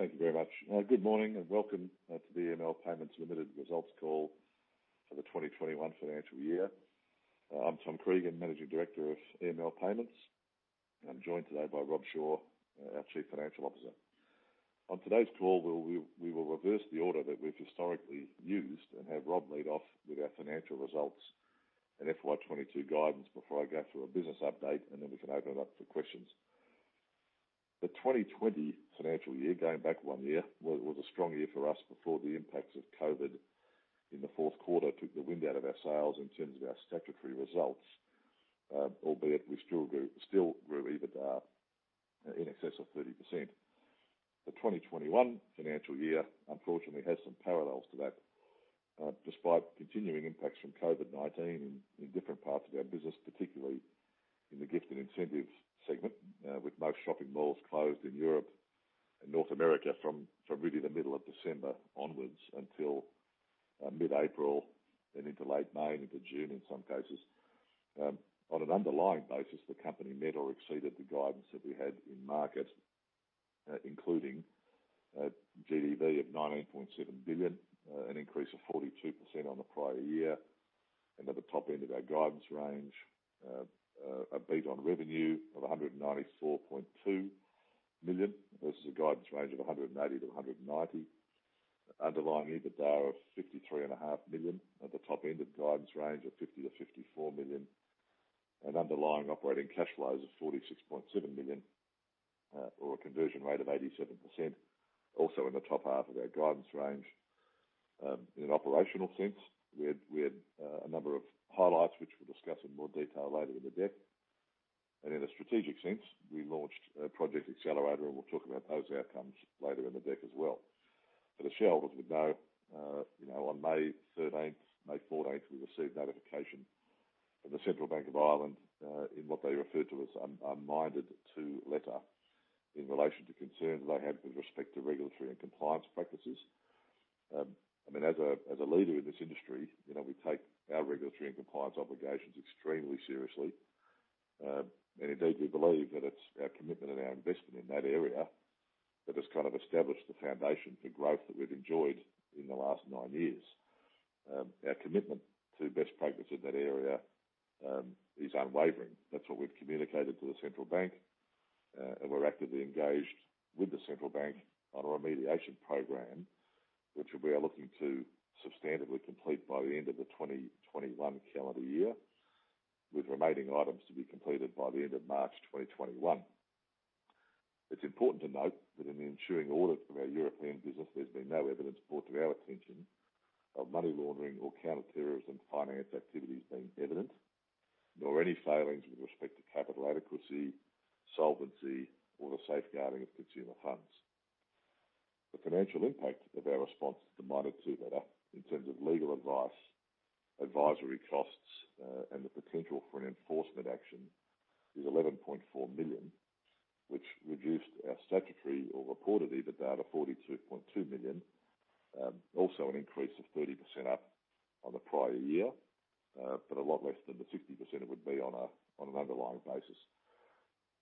Thank you very much. Good morning. Welcome to the EML Payments Limited results call for the 2021 financial year. I'm Tom Cregan, Managing Director of EML Payments. I'm joined today by Rob Shore, our Chief Financial Officer. On today's call, we will reverse the order that we've historically used and have Rob lead off with our financial results and FY 2022 guidance before I go through a business update. Then we can open it up for questions. The 2020 financial year, going back one year, was a strong year for us before the impacts of COVID in the fourth quarter took the wind out of our sails in terms of our statutory results. Albeit we still grew EBITDA in excess of 30%. The 2021 financial year, unfortunately, has some parallels to that. Despite continuing impacts from COVID-19 in different parts of our business, particularly in the gift and incentives segment, with most shopping malls closed in Europe and North America from really the middle of December onwards until mid-April, then into late May and into June in some cases. On an underlying basis, the company met or exceeded the guidance that we had in market, including GDV of 19.7 billion, an increase of 42% on the prior year, and at the top end of our guidance range, a beat on revenue of AUD 194.2 million versus a guidance range of AUD 190 million-AUD 190 million. Underlying EBITDA of AUD 53.5 million at the top end of guidance range of AUD 50 million-AUD 54 million. Underlying operating cash flows of AUD 46.7 million or a conversion rate of 87%, also in the top half of our guidance range. In an operational sense, we had a number of highlights, which we'll discuss in more detail later in the deck. In a strategic sense, we launched Project Accelerator, and we'll talk about those outcomes later in the deck as well. As shareholders would know, on May 13th, May 14th, we received notification from the Central Bank of Ireland, in what they referred to as an "I'm minded to" letter in relation to concerns they had with respect to regulatory and compliance practices. As a leader in this industry, we take our regulatory and compliance obligations extremely seriously. Indeed, we believe that it's our commitment and our investment in that area that has kind of established the foundation for growth that we've enjoyed in the last nine years. Our commitment to best practice in that area is unwavering. That's what we've communicated to the Central Bank. We're actively engaged with the Central Bank on a remediation program, which we are looking to substantively complete by the end of the 2021 calendar year, with remaining items to be completed by the end of March 2021. It's important to note that in the ensuing audit of our European business, there's been no evidence brought to our attention of money laundering or counter-terrorism finance activities being evident, nor any failings with respect to capital adequacy, solvency or the safeguarding of consumer funds. The financial impact of our response to the "minded to" letter in terms of legal advice, advisory costs, and the potential for an enforcement action is 11.4 million, which reduced our statutory or reported EBITDA to 42.2 million. An increase of 30% up on the prior year, but a lot less than the 60% it would be on an underlying basis.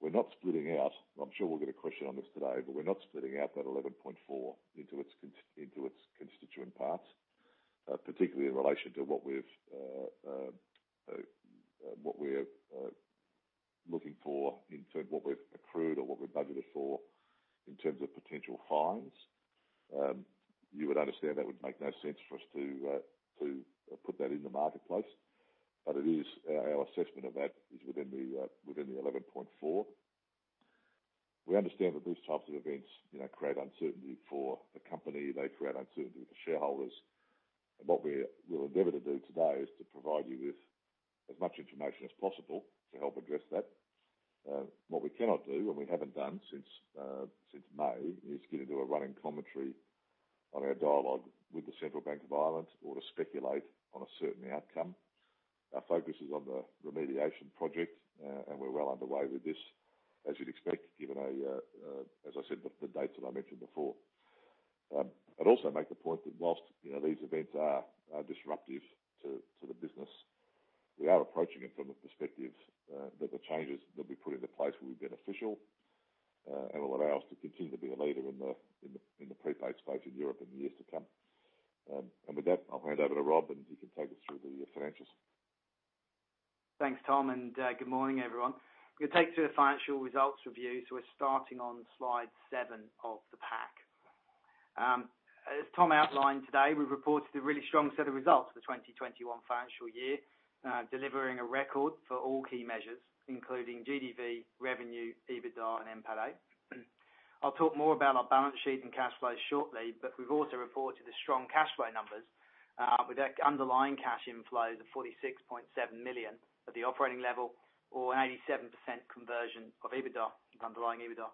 I'm sure we'll get a question on this today, we're not splitting out that 11.4 million into its constituent parts, particularly in relation to what we're looking for in terms of what we've accrued or what we budgeted for in terms of potential fines. You would understand that would make no sense for us to put that in the marketplace. Our assessment of that is within the 11.4 million. We understand that these types of events create uncertainty for the company. They create uncertainty for shareholders. What we will endeavor to do today is to provide you with as much information as possible to help address that. What we cannot do, and we haven't done since May, is get into a running commentary on our dialogue with the Central Bank of Ireland or to speculate on a certain outcome. Our focus is on the remediation project, and we're well underway with this, as you'd expect, given, as I said, the dates that I mentioned before. I'd also make the point that whilst these events are disruptive to the business, we are approaching it from the perspective that the changes that we put into place will be beneficial and will allow us to continue to be a leader in the prepaid space in Europe in the years to come. With that, I'll hand over to Rob, and he can take us through the financials. Thanks, Tom. Good morning, everyone. We'll take you through the financial results review. We're starting on slide seven of the pack. As Tom outlined today, we reported a really strong set of results for the 2021 financial year, delivering a record for all key measures, including GDV, revenue, EBITDA and NPATA. I'll talk more about our balance sheet and cash flows shortly. We've also reported the strong cash flow numbers with underlying cash inflows of 46.7 million at the operating level or an 87% conversion of EBITDA from underlying EBITDA.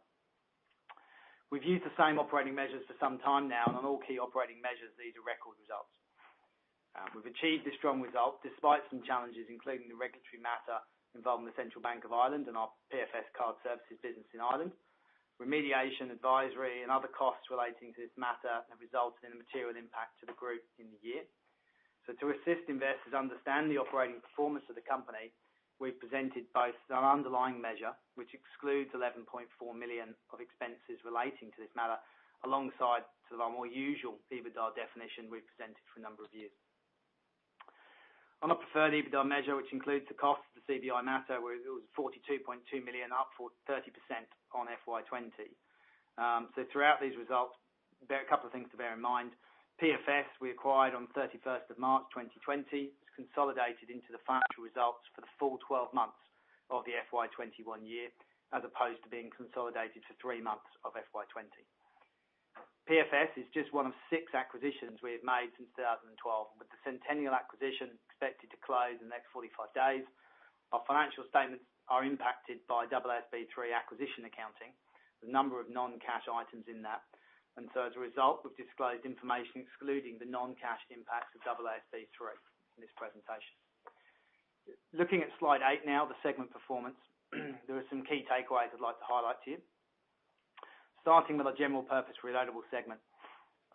We've used the same operating measures for some time now. On all key operating measures, these are record results. We've achieved this strong result despite some challenges, including the regulatory matter involving the Central Bank of Ireland and our PFS Card Services business in Ireland. Remediation, advisory and other costs relating to this matter have resulted in a material impact to the Group in the year. To assist investors understand the operating performance of the company, we've presented both our underlying measure, which excludes 11.4 million of expenses relating to this matter, alongside the more usual EBITDA definition we've presented for a number of years. On a preferred EBITDA measure, which includes the cost of the CBI matter, it was 42.2 million, up for 30% on FY 2020. Throughout these results, a couple of things to bear in mind. PFS we acquired on 31st of March 2020. It's consolidated into the financial results for the full 12 months of the FY 2021 year, as opposed to being consolidated for three months of FY 2020. PFS is just one of six acquisitions we have made since 2012, with the Sentenial acquisition expected to close in the next 45 days. Our financial statements are impacted by AASB 3 acquisition accounting, the number of non-cash items in that. As a result, we've disclosed information excluding the non-cash impact of AASB 3 in this presentation. Looking at slide eight now, the segment performance. There are some key takeaways I'd like to highlight to you. Starting with our general purpose reloadable segment.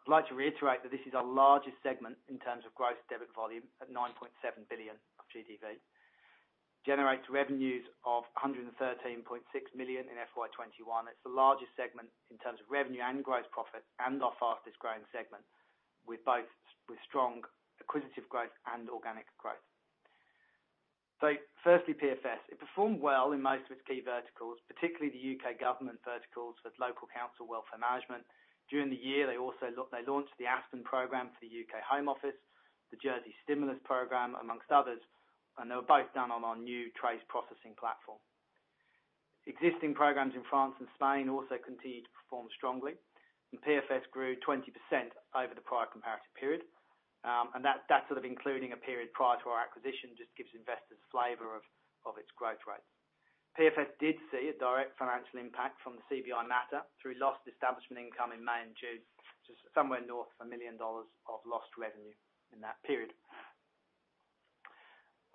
I'd like to reiterate that this is our largest segment in terms of gross debit volume at 9.7 billion of GDV. Generates revenues of 113.6 million in FY 2021. It's the largest segment in terms of revenue and gross profit and our fastest-growing segment with strong acquisitive growth and organic growth. Firstly, PFS. It performed well in most of its key verticals, particularly the U.K. government verticals with local council welfare management. During the year, they launched the Aspen program for the U.K. Home Office, the Jersey stimulus program, amongst others, and they were both done on our new TRACE processing platform. Existing programs in France and Spain also continued to perform strongly, PFS grew 20% over the prior comparative period. That including a period prior to our acquisition, just gives investors flavor of its growth rate. PFS did see a direct financial impact from the CBI matter through lost establishment income in May and June, just somewhere north of 1 million dollars of lost revenue in that period.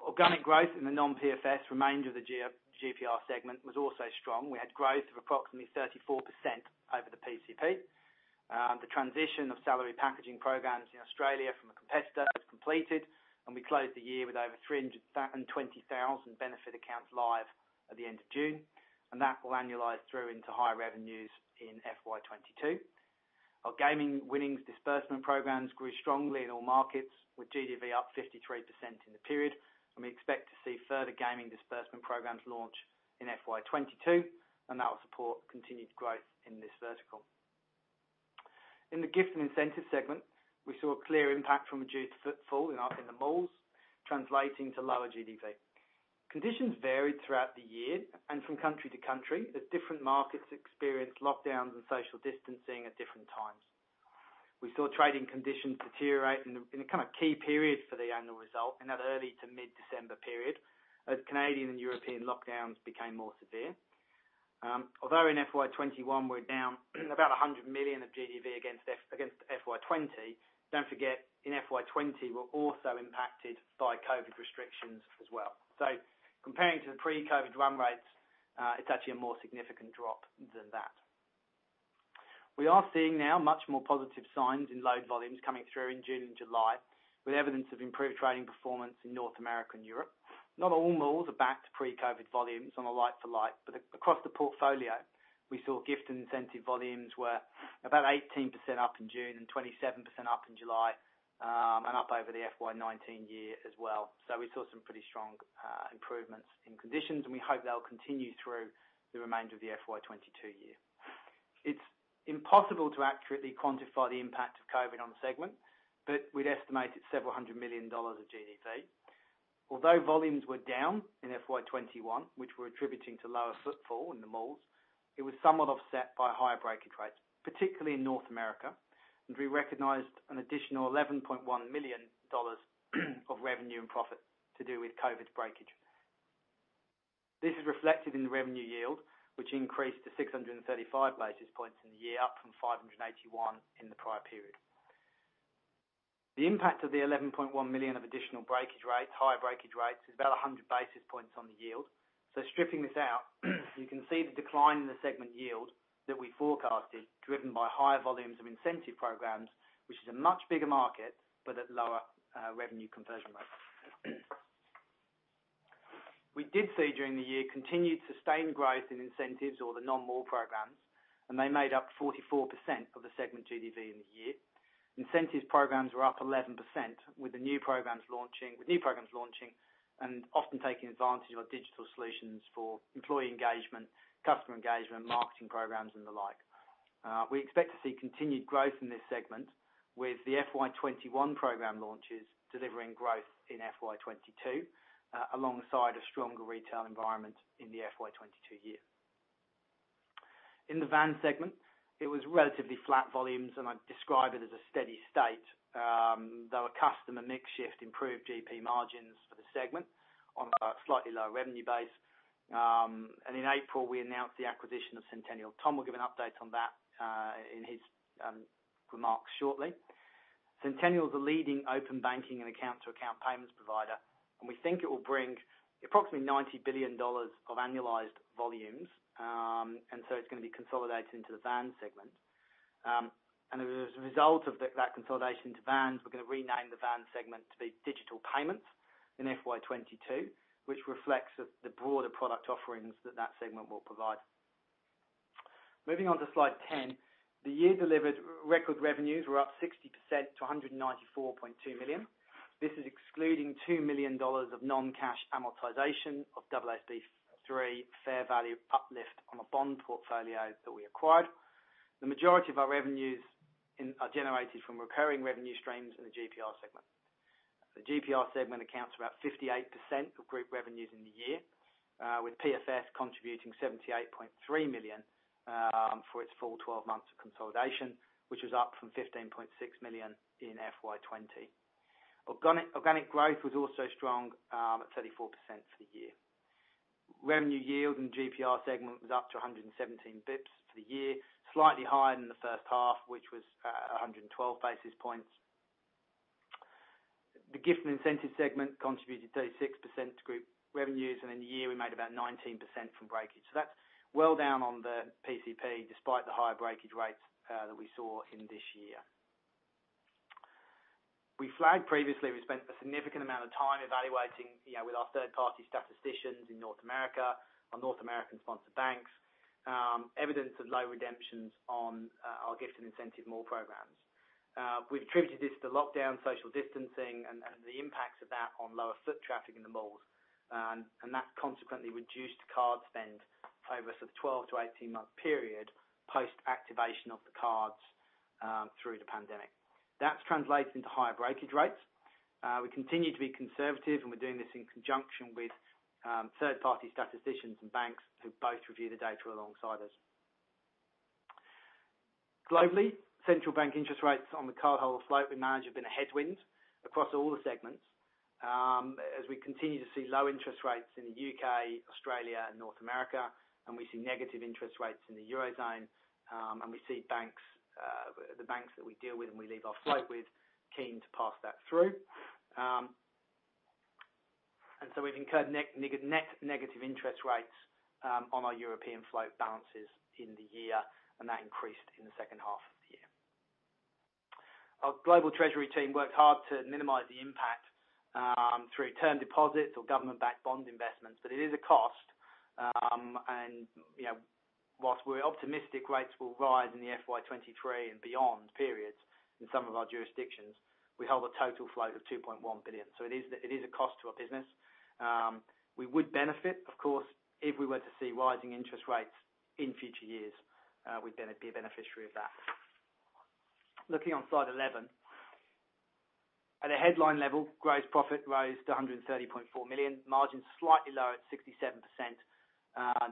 Organic growth in the non-PFS remainder of the GPR segment was also strong. We had growth of approximately 34% over the PCP. The transition of salary packaging programs in Australia from a competitor was completed, we closed the year with over 320,000 benefit accounts live at the end of June, that will annualize through into higher revenues in FY 2022. Our gaming winnings disbursement programs grew strongly in all markets, with GDV up 53% in the period, we expect to see further gaming disbursement programs launch in FY 2022, that will support continued growth in this vertical. In the gift and incentive segment, we saw a clear impact from reduced footfall in the malls, translating to lower GDV. Conditions varied throughout the year and from country to country, as different markets experienced lockdowns and social distancing at different times. We saw trading conditions deteriorate in the key period for the annual result, in that early to mid-December period, as Canadian and European lockdowns became more severe. In FY 2021, we're down about 100 million of GDV against FY 2020, don't forget, in FY 2020, we're also impacted by COVID restrictions as well. Comparing to the pre-COVID run rates, it's actually a more significant drop than that. We are seeing now much more positive signs in load volumes coming through in June and July, with evidence of improved trading performance in North America and Europe. Not all malls are back to pre-COVID volumes on a like-to-like, but across the portfolio, we saw gift and incentive volumes were about 18% up in June and 27% up in July, and up over the FY 2019 year as well. We saw some pretty strong improvements in conditions, and we hope they'll continue through the remainder of the FY 2022 year. It's impossible to accurately quantify the impact of COVID on the segment, but we'd estimate it's several hundred million dollar of GDV. Although volumes were down in FY 2021, which we're attributing to lower footfall in the malls, it was somewhat offset by higher breakage rates, particularly in North America, and we recognized an additional 11.1 million dollars of revenue and profit to do with COVID breakage. This is reflected in the revenue yield, which increased to 635 basis points in the year, up from 581 basis points in the prior period. The impact of the 11.1 million of additional higher breakage rates is about 100 basis points on the yield. Stripping this out, you can see the decline in the segment yield that we forecasted, driven by higher volumes of incentive programs, which is a much bigger market, but at lower revenue conversion rates. We did see during the year continued sustained growth in incentives or the non-mall programs, and they made up 44% of the segment GDV in the year. Incentives programs were up 11% with new programs launching, often taking advantage of our digital solutions for employee engagement, customer engagement, marketing programs, and the like. We expect to see continued growth in this segment with the FY 2021 program launches delivering growth in FY 2022 alongside a stronger retail environment in the FY 2022 year. In the VAN segment, it was relatively flat volumes, and I'd describe it as a steady state, though a customer mix shift improved GP margins for the segment on a slightly lower revenue base. In April, we announced the acquisition of Sentenial. Tom will give an update on that in his remarks shortly. Sentenial is a leading open banking and account-to-account payments provider, and we think it will bring approximately 90 billion dollars of annualized volumes. It's going to be consolidated into the VAN segment. As a result of that consolidation to VAN, we're going to rename the VAN segment to be Digital Payments in FY 2022, which reflects the broader product offerings that that segment will provide. Moving on to slide 10. The year delivered record revenues were up 60% to 194.2 million. This is excluding 2 million dollars of non-cash amortization of AASB 3 fair value uplift on a bond portfolio that we acquired. The majority of our revenues are generated from recurring revenue streams in the GPR segment. The GPR segment accounts for about 58% of Group revenues in the year, with PFS contributing 78.3 million for its full 12 months of consolidation, which was up from 15.6 million in FY 2020. Organic growth was also strong at 34% for the year. Revenue yield in GPR segment was up to 117 bps for the year, slightly higher than the first half, which was 112 basis points. The gift and incentive segment contributed 36% to group revenues, and in the year, we made about 19% from breakage. That's well down on the PCP, despite the higher breakage rates that we saw in this year. We flagged previously we spent a significant amount of time evaluating with our third-party statisticians in North America, our North American sponsor banks, evidence of low redemptions on our gifts and incentive mall programs. We've attributed this to lockdown social distancing and the impacts of that on lower foot traffic in the malls, and that consequently reduced card spend over a sort of 12 to 18-month period post-activation of the cards through the pandemic. That's translated into higher breakage rates. We continue to be conservative, and we're doing this in conjunction with third-party statisticians and banks who both review the data alongside us. Globally, Central Bank interest rates on the cardholder float we manage have been a headwind across all the segments as we continue to see low interest rates in the U.K., Australia, and North America, and we see negative interest rates in the Eurozone, and we see the banks that we deal with and we leave our float with keen to pass that through. We've incurred net negative interest rates on our European float balances in the year, and that increased in the second half of the year. Our global treasury team worked hard to minimize the impact through term deposits or government-backed bond investments, but it is a cost. Whilst we're optimistic rates will rise in the FY 2023 and beyond periods in some of our jurisdictions, we hold a total float of 2.1 billion. It is a cost to our business. We would benefit, of course, if we were to see rising interest rates in future years. We'd be a beneficiary of that. Looking on slide 11. At a headline level, gross profit rose to 130.4 million. Margin's slightly lower at 67%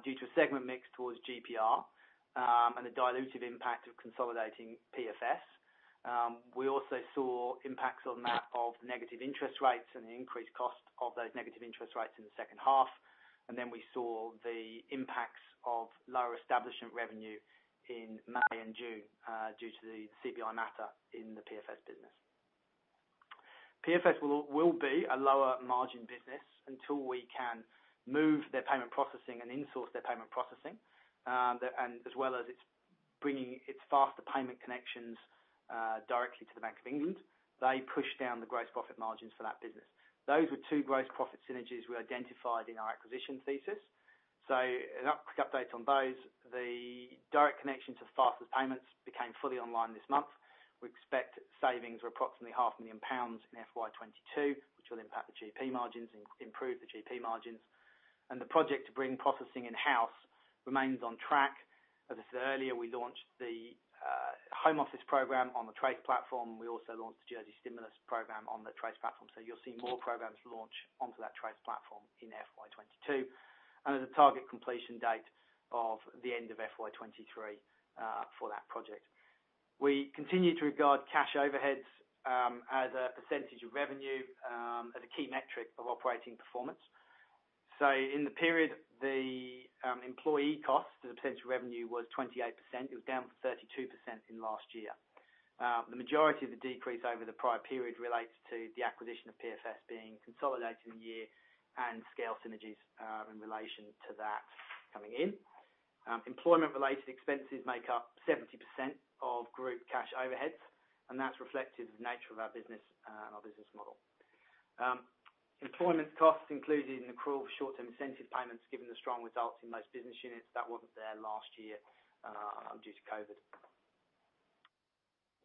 due to a segment mix towards GPR and the dilutive impact of consolidating PFS. We also saw impacts on that of negative interest rates and the increased cost of those negative interest rates in the second half. We saw the impacts of lower establishment revenue in May and June due to the CBI matter in the PFS business. PFS will be a lower margin business until we can move their payment processing and insource their payment processing. As well as it's bringing its Faster Payments connections directly to the Bank of England. They push down the gross profit margins for that business. Those were two gross profit synergies we identified in our acquisition thesis. A quick update on those. The direct connection to Faster Payments became fully online this month. We expect savings of approximately 500,000 pounds in FY 2022, which will impact the GP margins, improve the GP margins. The project to bring processing in-house remains on track. As I said earlier, we launched the Home Office program on the TRACE platform. We also launched the Jersey stimulus program on the TRACE platform. You'll see more programs launch onto that TRACE platform in FY 2022 and at a target completion date of the end of FY 2023 for that project. We continue to regard cash overheads as a percentage of revenue as a key metric of operating performance. In the period, the employee cost as a percentage of revenue was 28%. It was down from 32% in last year. The majority of the decrease over the prior period relates to the acquisition of PFS being consolidated in the year and scale synergies in relation to that coming in. Employment-related expenses make up 70% of Group cash overheads, and that's reflective of the nature of our business and our business model. Employment costs included in accrual for short-term incentive payments given the strong results in most business units that wasn't there last year due to COVID.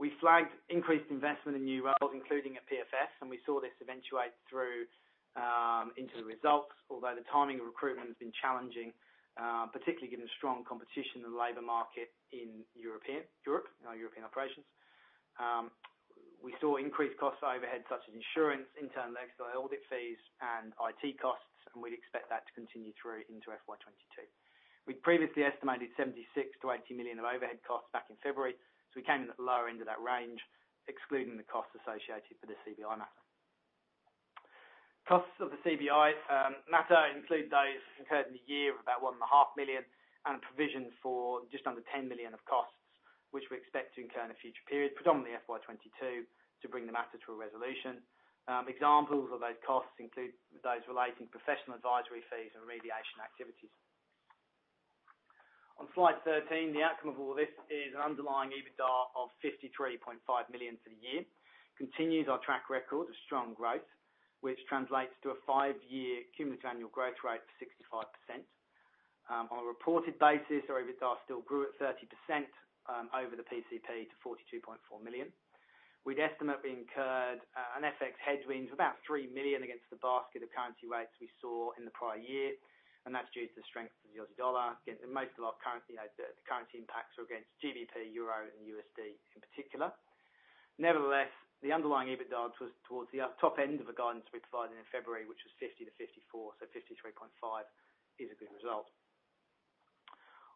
We flagged increased investment in new roles, including at PFS, and we saw this eventuate through into the results. Although the timing of recruitment has been challenging, particularly given the strong competition in the labor market in Europe and our European operations. We saw increased costs for overheads such as insurance, internal and external audit fees, and IT costs, and we'd expect that to continue through into FY 2022. We previously estimated 76 million-80 million of overhead costs back in February, so we came in at the lower end of that range, excluding the cost associated for the CBI matter. Costs of the CBI matter include those incurred in the year of about 1.5 million and provision for just under 10 million of costs, which we expect to incur in a future period, predominantly FY 2022, to bring the matter to a resolution. Examples of those costs include those relating to professional advisory fees and remediation activities. On slide 13, the outcome of all this is an underlying EBITDA of 53.5 million for the year. Continues our track record of strong growth, which translates to a five-year cumulative annual growth rate of 65%. On a reported basis, our EBITDA still grew at 30% over the PCP to 42.4 million. We'd estimate we incurred an FX headwind of about 3 million against the basket of currency rates we saw in the prior year, and that's due to the strength of the Aussie dollar. Again, most of our currency impacts are against GBP, euro, and USD in particular. Nevertheless, the underlying EBITDA is towards the top end of the guidance we provided in February, which was 50 million-54 million. 53.5 million is a good result.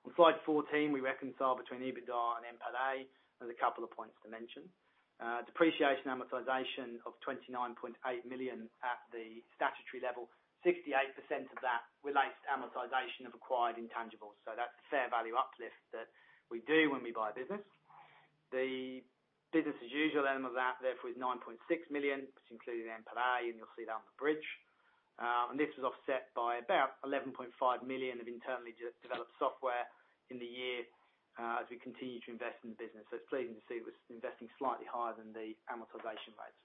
On slide 14, we reconcile between EBITDA and NPATA. There's a couple of points to mention. Depreciation amortization of 29.8 million at the statutory level, 68% of that relates to amortization of acquired intangibles. That's the fair value uplift that we do when we buy a business. The business as usual element of that, therefore, is 9.6 million, which included NPATA, and you'll see that on the bridge. This was offset by about 11.5 million of internally developed software in the year as we continue to invest in the business. It's pleasing to see it was investing slightly higher than the amortization rates.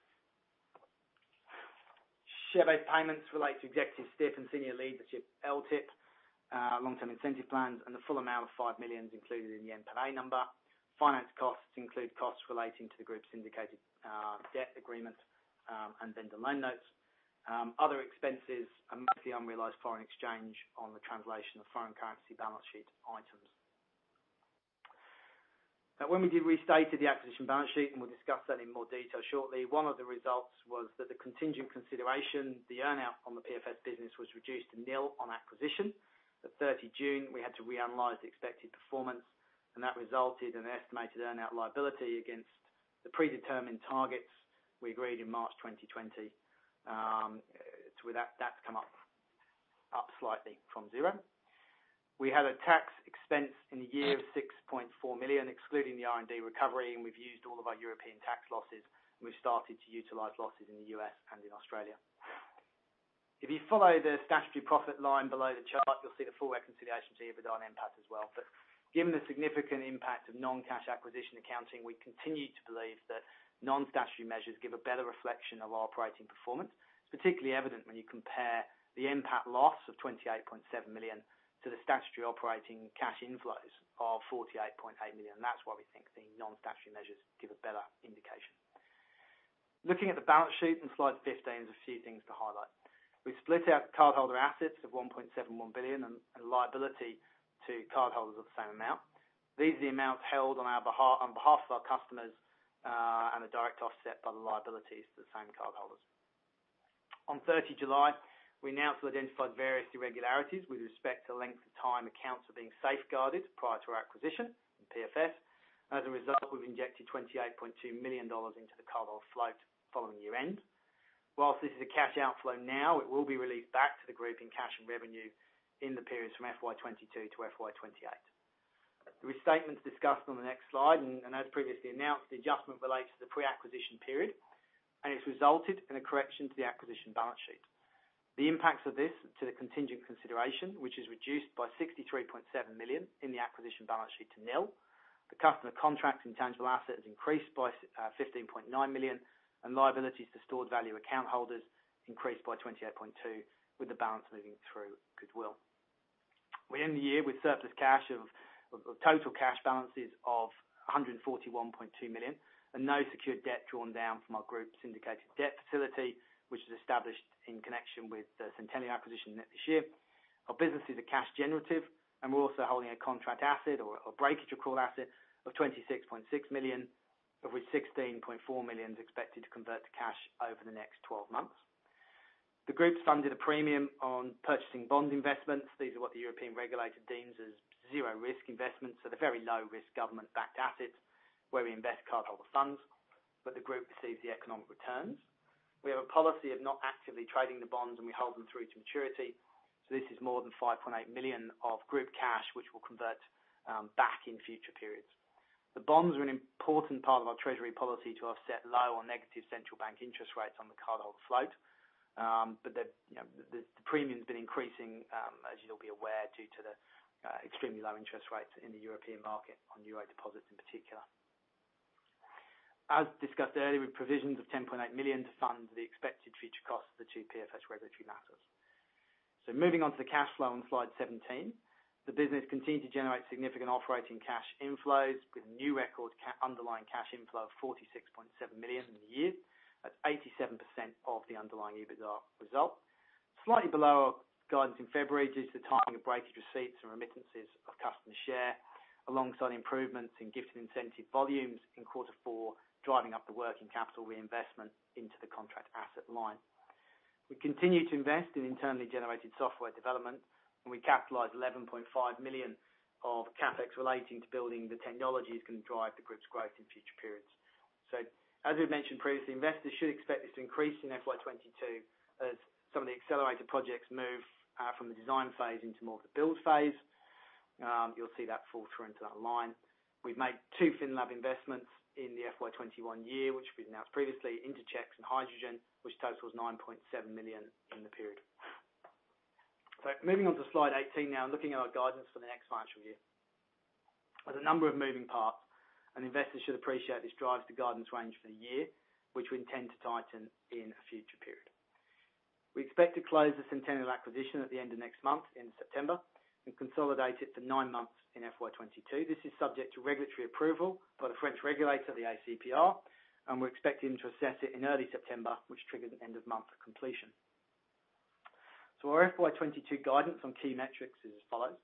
Share-based payments relate to executive staff and senior leadership LTIP, long-term incentive plans, and the full amount of 5 million is included in the NPATA number. Finance costs include costs relating to the Group's syndicated debt agreement, and loan notes. Other expenses are mostly unrealized foreign exchange on the translation of foreign currency balance sheet items. Now, when we restated the acquisition balance sheet, and we'll discuss that in more detail shortly, one of the results was that the contingent consideration, the earn-out on the PFS business was reduced to [nil] on acquisition. At 30 June, we had to reanalyze the expected performance, and that resulted in an estimated earn-out liability against the predetermined targets we agreed in March 2020. That's come up slightly from zero. We had a tax expense in the year of 6.4 million, excluding the R&D recovery, and we've used all of our European tax losses, and we've started to utilize losses in the U.S. and in Australia. If you follow the statutory profit line below the chart, you'll see the full reconciliation to EBITDA and NPATA as well. Given the significant impact of non-cash acquisition accounting, we continue to believe that non-statutory measures give a better reflection of our operating performance. It's particularly evident when you compare the NPAT loss of 28.7 million to the statutory operating cash inflows of 48.8 million. That's why we think the non-statutory measures give a better indication. Looking at the balance sheet in slide 15, there's a few things to highlight. We split out cardholder assets of 1.71 billion and a liability to cardholders of the same amount. These are the amounts held on behalf of our customers, and a direct offset by the liabilities to the same cardholders. On 30 July, we announced we identified various irregularities with respect to length of time accounts were being safeguarded prior to our acquisition from PFS. As a result, we've injected 28.2 million dollars into the cardholder float following year-end. Whilst this is a cash outflow now, it will be released back to the Group in cash and revenue in the periods from FY 2022 to FY 2028. The restatement is discussed on the next slide, and as previously announced, the adjustment relates to the pre-acquisition period, and it's resulted in a correction to the acquisition balance sheet. The impacts of this to the contingent consideration, which is reduced by 63.7 million in the acquisition balance sheet to nil. The customer contract intangible asset has increased by 15.9 million, and liabilities to stored value account holders increased by 28.2 million, with the balance moving through goodwill. We end the year with surplus cash of total cash balances of 141.2 million and no secured debt drawn down from our Group's syndicated debt facility, which was established in connection with the Sentenial acquisition earlier this year. Our businesses are cash generative, and we're also holding a contract asset or breakage recall asset of 26.6 million, of which 16.4 million is expected to convert to cash over the next 12 months. The Group's funded a premium on purchasing bond investments. These are what the European regulator deems as zero-risk investments, so they're very low-risk government-backed assets where we invest cardholder funds, but the Group receives the economic returns. We have a policy of not actively trading the bonds, and we hold them through to maturity. This is more than 5.8 million of Group cash, which will convert back in future periods. The bonds are an important part of our treasury policy to offset low or negative Central Bank interest rates on the cardholder float. The premium's been increasing, as you'll be aware, due to the extremely low interest rates in the European market on euro deposits in particular. As discussed earlier, with provisions of 10.8 million to fund the expected future costs of the two PFS regulatory matters. Moving on to the cash flow on slide 17. The business continued to generate significant operating cash inflows with new record underlying cash inflow of 46.7 million in the year. That's 87% of the underlying EBITDA result. Slightly below our guidance in February due to the timing of breakage receipts and remittances of customer share, alongside improvements in gifted incentive volumes in quarter four, driving up the working capital reinvestment into the contract asset line. We continue to invest in internally generated software development, and we capitalize 11.5 million of CapEx relating to building the technologies that are going to drive the Group's growth in future periods. As we've mentioned previously, investors should expect this to increase in FY 2022 as some of the accelerated projects move from the design phase into more of the build phase. You'll see that fall through into that line. We've made two FINLAB investments in the FY 2021 year, which we've announced previously, Interchecks and Hydrogen, which totals 9.7 million in the period. Moving on to slide 18 now, and looking at our guidance for the next financial year. There's a number of moving parts, and investors should appreciate this drives the guidance range for the year, which we intend to tighten in a future period. We expect to close the Sentenial acquisition at the end of next month, in September, and consolidate it for nine months in FY 2022. This is subject to regulatory approval by the French regulator, the ACPR, and we're expecting to assess it in early September, which triggers end of month completion. Our FY 2022 guidance on key metrics is as follows.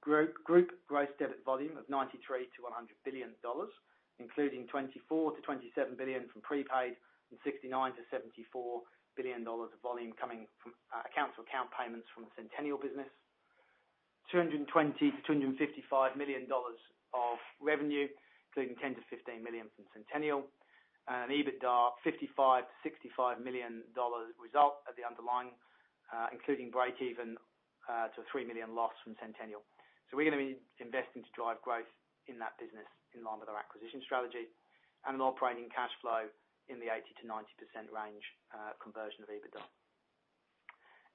Group gross debit volume of 93 billion-100 billion dollars, including 24 billion-27 billion from prepaid and 69 billion-74 billion dollars of volume coming from account-to-account payments from the Sentenial business. 220 million-255 million dollars of revenue, including 10 million-15 million from Sentenial. An EBITDA, 55 million-65 million dollar result at the underlying, including breakeven to a 3 million loss from Sentenial. We're going to be investing to drive growth in that business in line with our acquisition strategy. An operating cash flow in the 80%-90% range, conversion of EBITDA.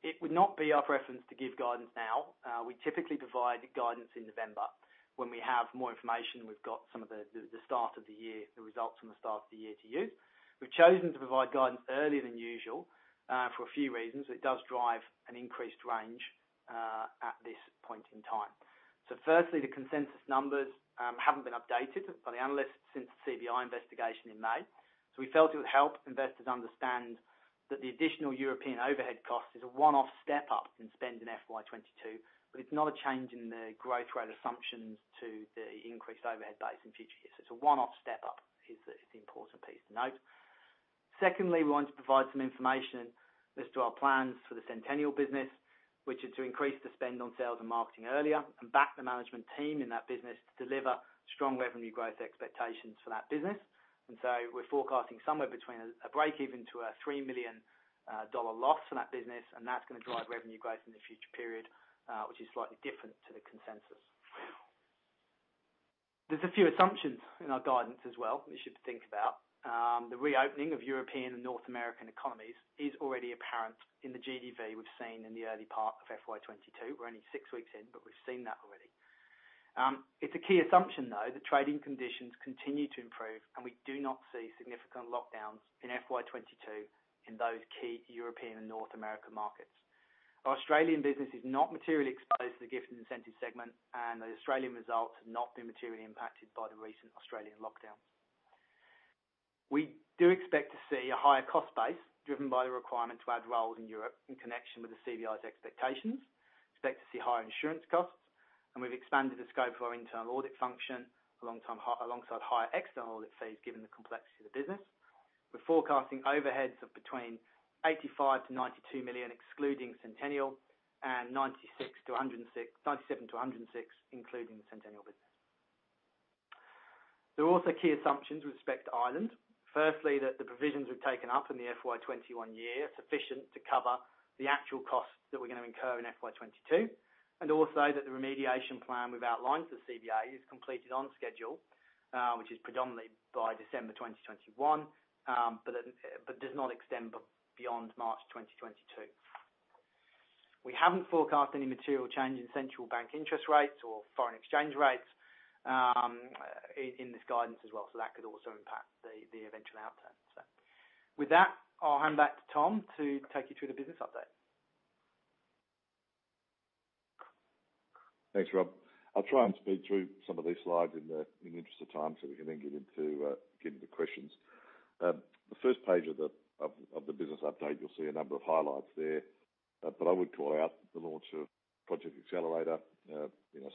It would not be our preference to give guidance now. We typically provide guidance in November when we have more information. We've got some of the results from the start of the year to use. We've chosen to provide guidance earlier than usual, for a few reasons. It does drive an increased range at this point in time. Firstly, the consensus numbers haven't been updated by the analysts since the CBI investigation in May. We felt it would help investors understand that the additional European overhead cost is a one-off step up in spend in FY 2022, but it's not a change in the growth rate assumptions to the increased overhead base in future years. It's a one-off step up, is the important piece to note. Secondly, we wanted to provide some information as to our plans for the Sentenial business, which is to increase the spend on sales and marketing earlier and back the management team in that business to deliver strong revenue growth expectations for that business. We're forecasting somewhere between a breakeven to an 3 million dollar loss for that business, and that's going to drive revenue growth in the future period, which is slightly different to the consensus. There's a few assumptions in our guidance as well that you should think about. The reopening of European and North American economies is already apparent in the GDV we've seen in the early part of FY 2022. We're only six weeks in, but we've seen that already. It's a key assumption, though, that trading conditions continue to improve, and we do not see significant lockdowns in FY 2022 in those key European and North American markets. Our Australian business is not materially exposed to the gift and incentive segment, and the Australian results have not been materially impacted by the recent Australian lockdowns. We do expect to see a higher cost base driven by the requirement to add roles in Europe in connection with the CBI's expectations. Expect to see higher insurance costs. We've expanded the scope of our internal audit function alongside higher external audit fees, given the complexity of the business. We're forecasting overheads of between 85 million-92 million, excluding Sentenial, and 97 million-106 million, including the Sentenial business. There are also key assumptions with respect to Ireland. Firstly, that the provisions we've taken up in the FY 2021 year are sufficient to cover the actual costs that we're going to incur in FY 2022. That the remediation plan we've outlined for the CBI is completed on schedule, which is predominantly by December 2021, but does not extend beyond March 2022. We haven't forecast any material change in Central Bank interest rates or foreign exchange rates, in this guidance as well. That could also impact the eventual outturn. With that, I'll hand back to Tom to take you through the business update. Thanks, Rob. I'll try and speed through some of these slides in the interest of time so we can then get into the questions. The first page of the business update, you'll see a number of highlights there. I would call out the launch of Project Accelerator.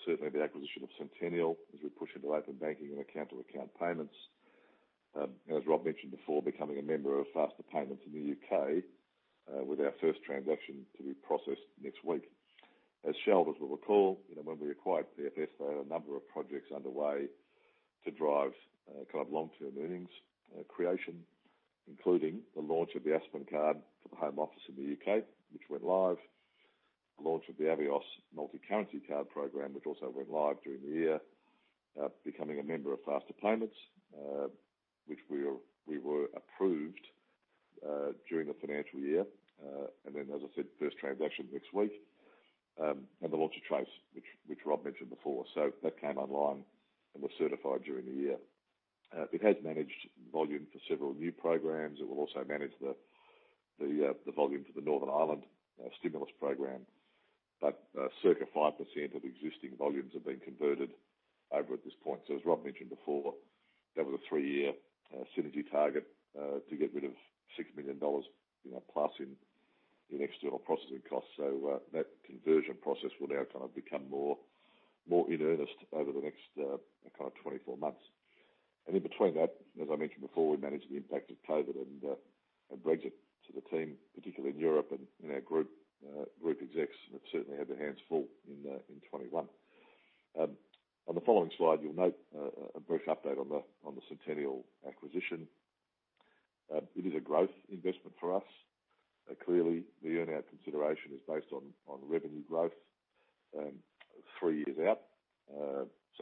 Certainly the acquisition of Sentenial as we push into open banking and account-to-account payments. As Rob mentioned before, becoming a member of Faster Payments in the U.K., with our first transaction to be processed next week. As shareholders will recall, when we acquired PFS, there were a number of projects underway to drive long-term earnings creation, including the launch of the Aspen card for the Home Office in the U.K., which went live. The launch of the Avios multi-currency card program, which also went live during the year. Becoming a member of Faster Payments, which we were approved during the financial year. As I said, first transaction next week. The launch of TRACE, which Rob mentioned before. That came online and was certified during the year. It has managed volume for several new programs. It will also manage the volume for the Northern Ireland stimulus program. Circa 5% of existing volumes have been converted over at this point. As Rob mentioned before, that was a three-year synergy target, to get rid of 6+ million dollars in external processing costs. That conversion process will now become more in earnest over the next 24 months. In between that, as I mentioned before, we managed the impact of COVID and Brexit to the team, particularly in Europe and in our group execs. They've certainly had their hands full in 2021. On the following slide, you'll note a brief update on the Sentenial acquisition. It is a growth investment for us. Clearly, the earn-out consideration is based on revenue growth three years out.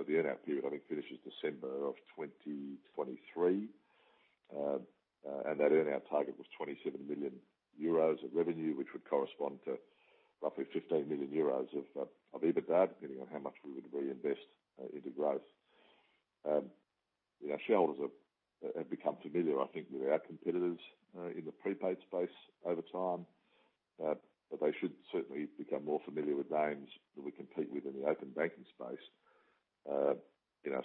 The earn-out period, I think, finishes December of 2023. That earn-out target was 27 million euros of revenue, which would correspond to roughly 15 million euros of EBITDA, depending on how much we would reinvest into growth. Our shareholders have become familiar, I think, with our competitors in the prepaid space over time. They should certainly become more familiar with names that we compete with in the open banking space,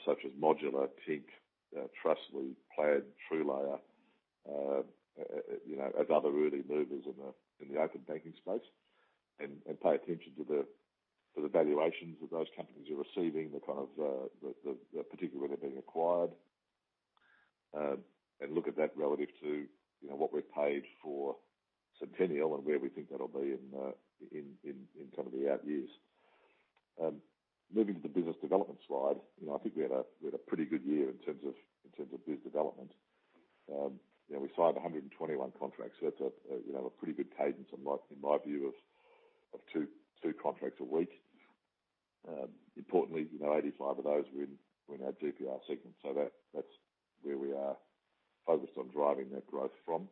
such as Modulr, Tink, Trustly, Plaid, TrueLayer, as other early movers in the open banking space. Pay attention to the valuations that those companies are receiving, particularly when they're being acquired. Look at that relative to what we've paid for Sentenial and where we think that'll be in some of the out years. Moving to the business development slide. I think we had a pretty good year in terms of business development. We signed 121 contracts. That's a pretty good cadence, in my view, of two contracts a week. Importantly, 85 of those were in our GPR segment. That's where we are focused on driving that growth from.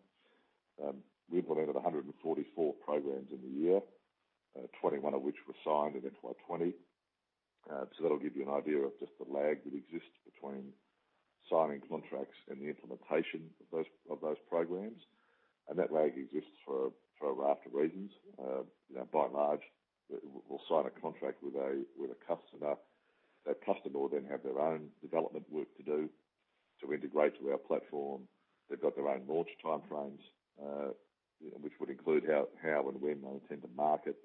We implemented 144 programs in the year, 21 of which were signed in FY 2020. That'll give you an idea of just the lag that exists between signing contracts and the implementation of those programs. That lag exists for a raft of reasons. By and large, we'll sign a contract with a customer. That customer will then have their own development work to do to integrate to our platform. They've got their own launch time frames, which would include how and when they intend to market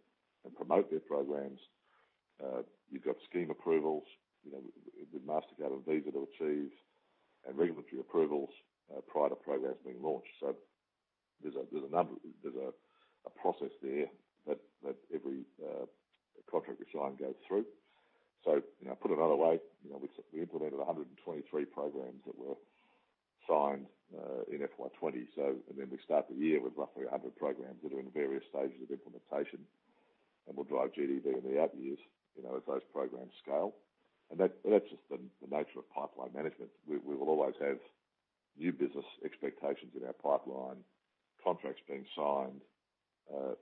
and promote their programs. You've got scheme approvals with Mastercard and Visa to achieve and regulatory approvals prior to programs being launched. There's a process there that every contract we sign goes through. Put another way, we implemented 123 programs that were signed in FY 2020. Then we start the year with roughly 100 programs that are in various stages of implementation and will drive GDV in the out years, as those programs scale. That's just the nature of pipeline management. We will always have new business expectations in our pipeline, contracts being signed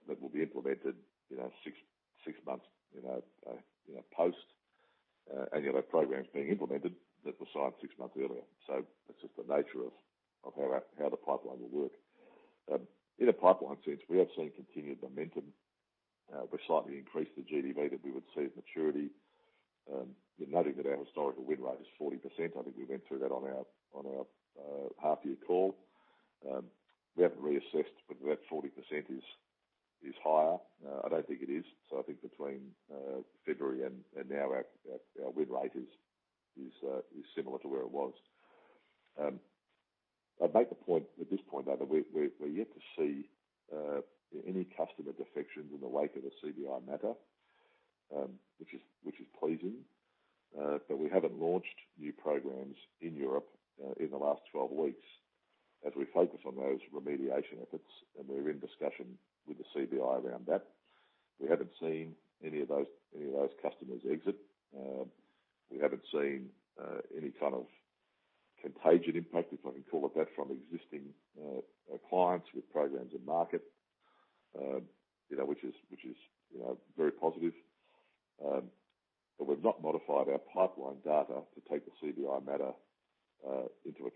that will be implemented six months post any other programs being implemented that were signed six months earlier. That's just the nature of how the pipeline will work. In a pipeline sense, we have seen continued momentum. We slightly increased the GDV that we would see at maturity, noting that our historical win rate is 40%. I think we went through that on our half-year call. We haven't reassessed whether that 40% is higher. I don't think it is. I think between February and now, our win rate is similar to where it was. I'd make the point, at this point, that we're yet to see any customer defections in the wake of the CBI matter, which is pleasing. We haven't launched new programs in Europe in the last 12 weeks as we focus on those remediation efforts, and we're in discussion with the CBI around that. We haven't seen any of those customers exit. We haven't seen any kind of contagion impact, if I can call it that, from existing clients with programs in market, which is very positive. We've not modified our pipeline data to take the CBI matter into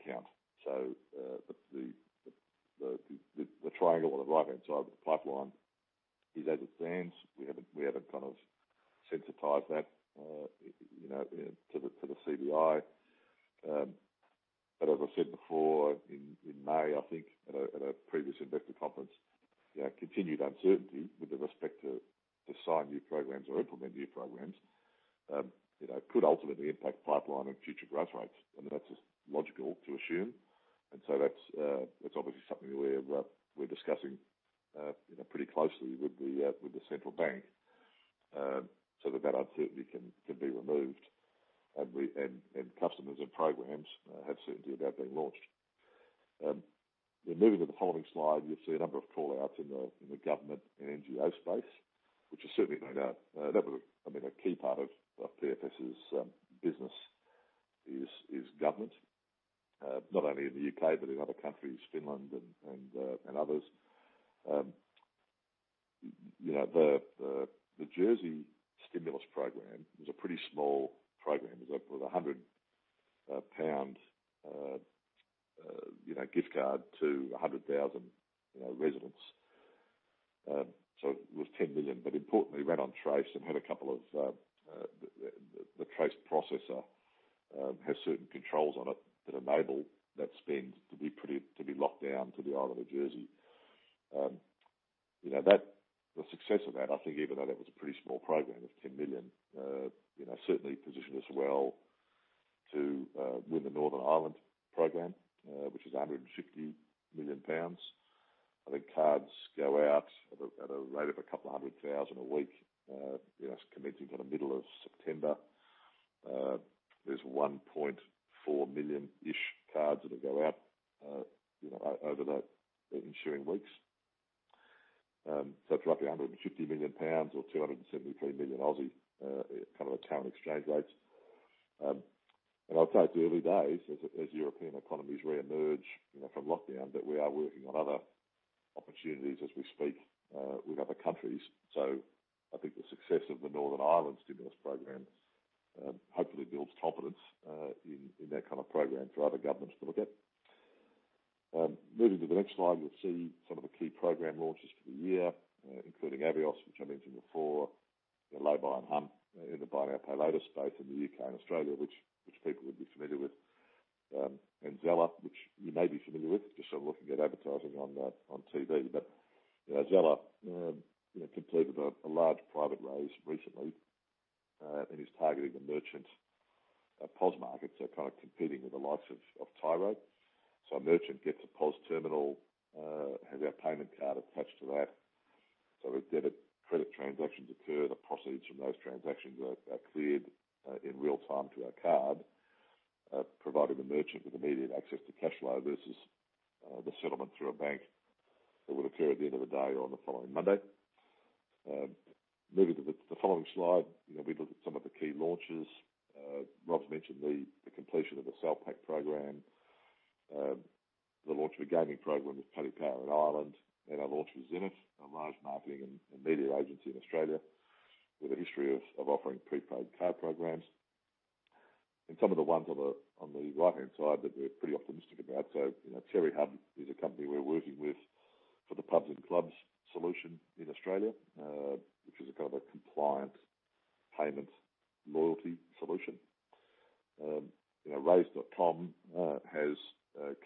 account. The triangle on the right-hand side with the pipeline is as it stands. We haven't kind of sensitized that to the CBI. As I said before, in May, I think, at a previous investor conference, continued uncertainty with the respect to sign new programs or implement new programs could ultimately impact pipeline and future growth rates. That's just logical to assume. That's obviously something we're discussing pretty closely with the Central Bank, so that that uncertainty can be removed and customers and programs have certainty about being launched. Moving to the following slide, you'll see a number of call-outs in the government and NGO space, which is certainly no doubt. That was a key part of PFS's business, is government, not only in the U.K., but in other countries, Finland and others. The Jersey stimulus program was a pretty small program. It was 100 pound gift card to 100,000 residents. It was 10 million. Importantly, it ran on TRACE and had a couple of the TRACE processor have certain controls on it that enable that spend to be locked down to the island of Jersey. The success of that, I think even though that was a pretty small program of 10 million, certainly positioned us well to win the Northern Ireland program, which is 150 million pounds. I think cards go out at a rate of 200,000 a week, commencing in the middle of September. There's 1.4 million cards that will go out over the ensuing weeks. It's roughly 150 million pounds or 273 million, at current exchange rates. I'll say it's early days as European economies re-emerge from lockdown, that we are working on other opportunities as we speak with other countries. I think the success of the Northern Ireland stimulus program hopefully builds confidence in that kind of program for other governments to look at. Moving to the next slide, you'll see some of the key program launches for the year, including Avios, which I mentioned before. Laybuy and humm in the Buy Now Pay Later space in the U.K. and Australia, which people would be familiar with. Zeller, which you may be familiar with, just looking at advertising on TV. Zeller completed a large private raise recently, and is targeting the merchant POS markets. They're kind of competing with the likes of Tyro. A merchant gets a POS terminal, has our payment card attached to that. As debit, credit transactions occur, the proceeds from those transactions are cleared in real time to our card, providing the merchant with immediate access to cash flow versus the settlement through a bank that would occur at the end of the day or on the following Monday. Moving to the following slide, we look at some of the key launches. Rob's mentioned the completion of the salary packaging program, the launch of a gaming program with Paddy Power in Ireland, and our launch with Zenith, a large marketing and media agency in Australia with a history of offering prepaid card programs. Some of the ones on the right-hand side that we're pretty optimistic about. Cherry Hub is a company we're working with for the pubs and clubs solution in Australia, which is a kind of a compliance payment loyalty solution. Raise.com has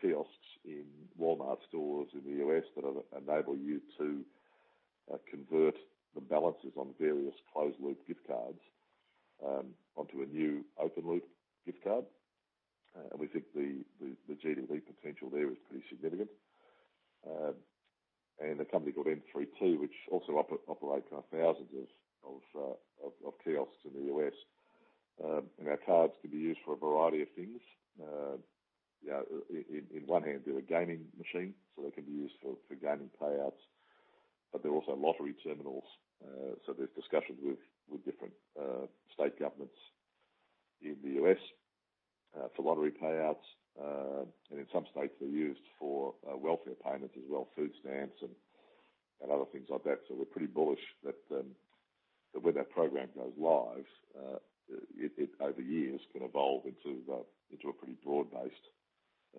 kiosks in Walmart stores in the U.S. that enable you to convert the balances on various closed-loop gift cards onto a new open-loop gift card. We think the GDV potential there is pretty significant. A company called NRT, which also operate thousands of kiosks in the U.S. Our cards can be used for a variety of things. In one hand, they're a gaming machine, so they can be used for gaming payouts. They're also lottery terminals, so there's discussions with different state governments in the U.S. for lottery payouts. In some states, they're used for welfare payments as well, food stamps and other things like that. We're pretty bullish that when that program goes live, it over years can evolve into a pretty broad-based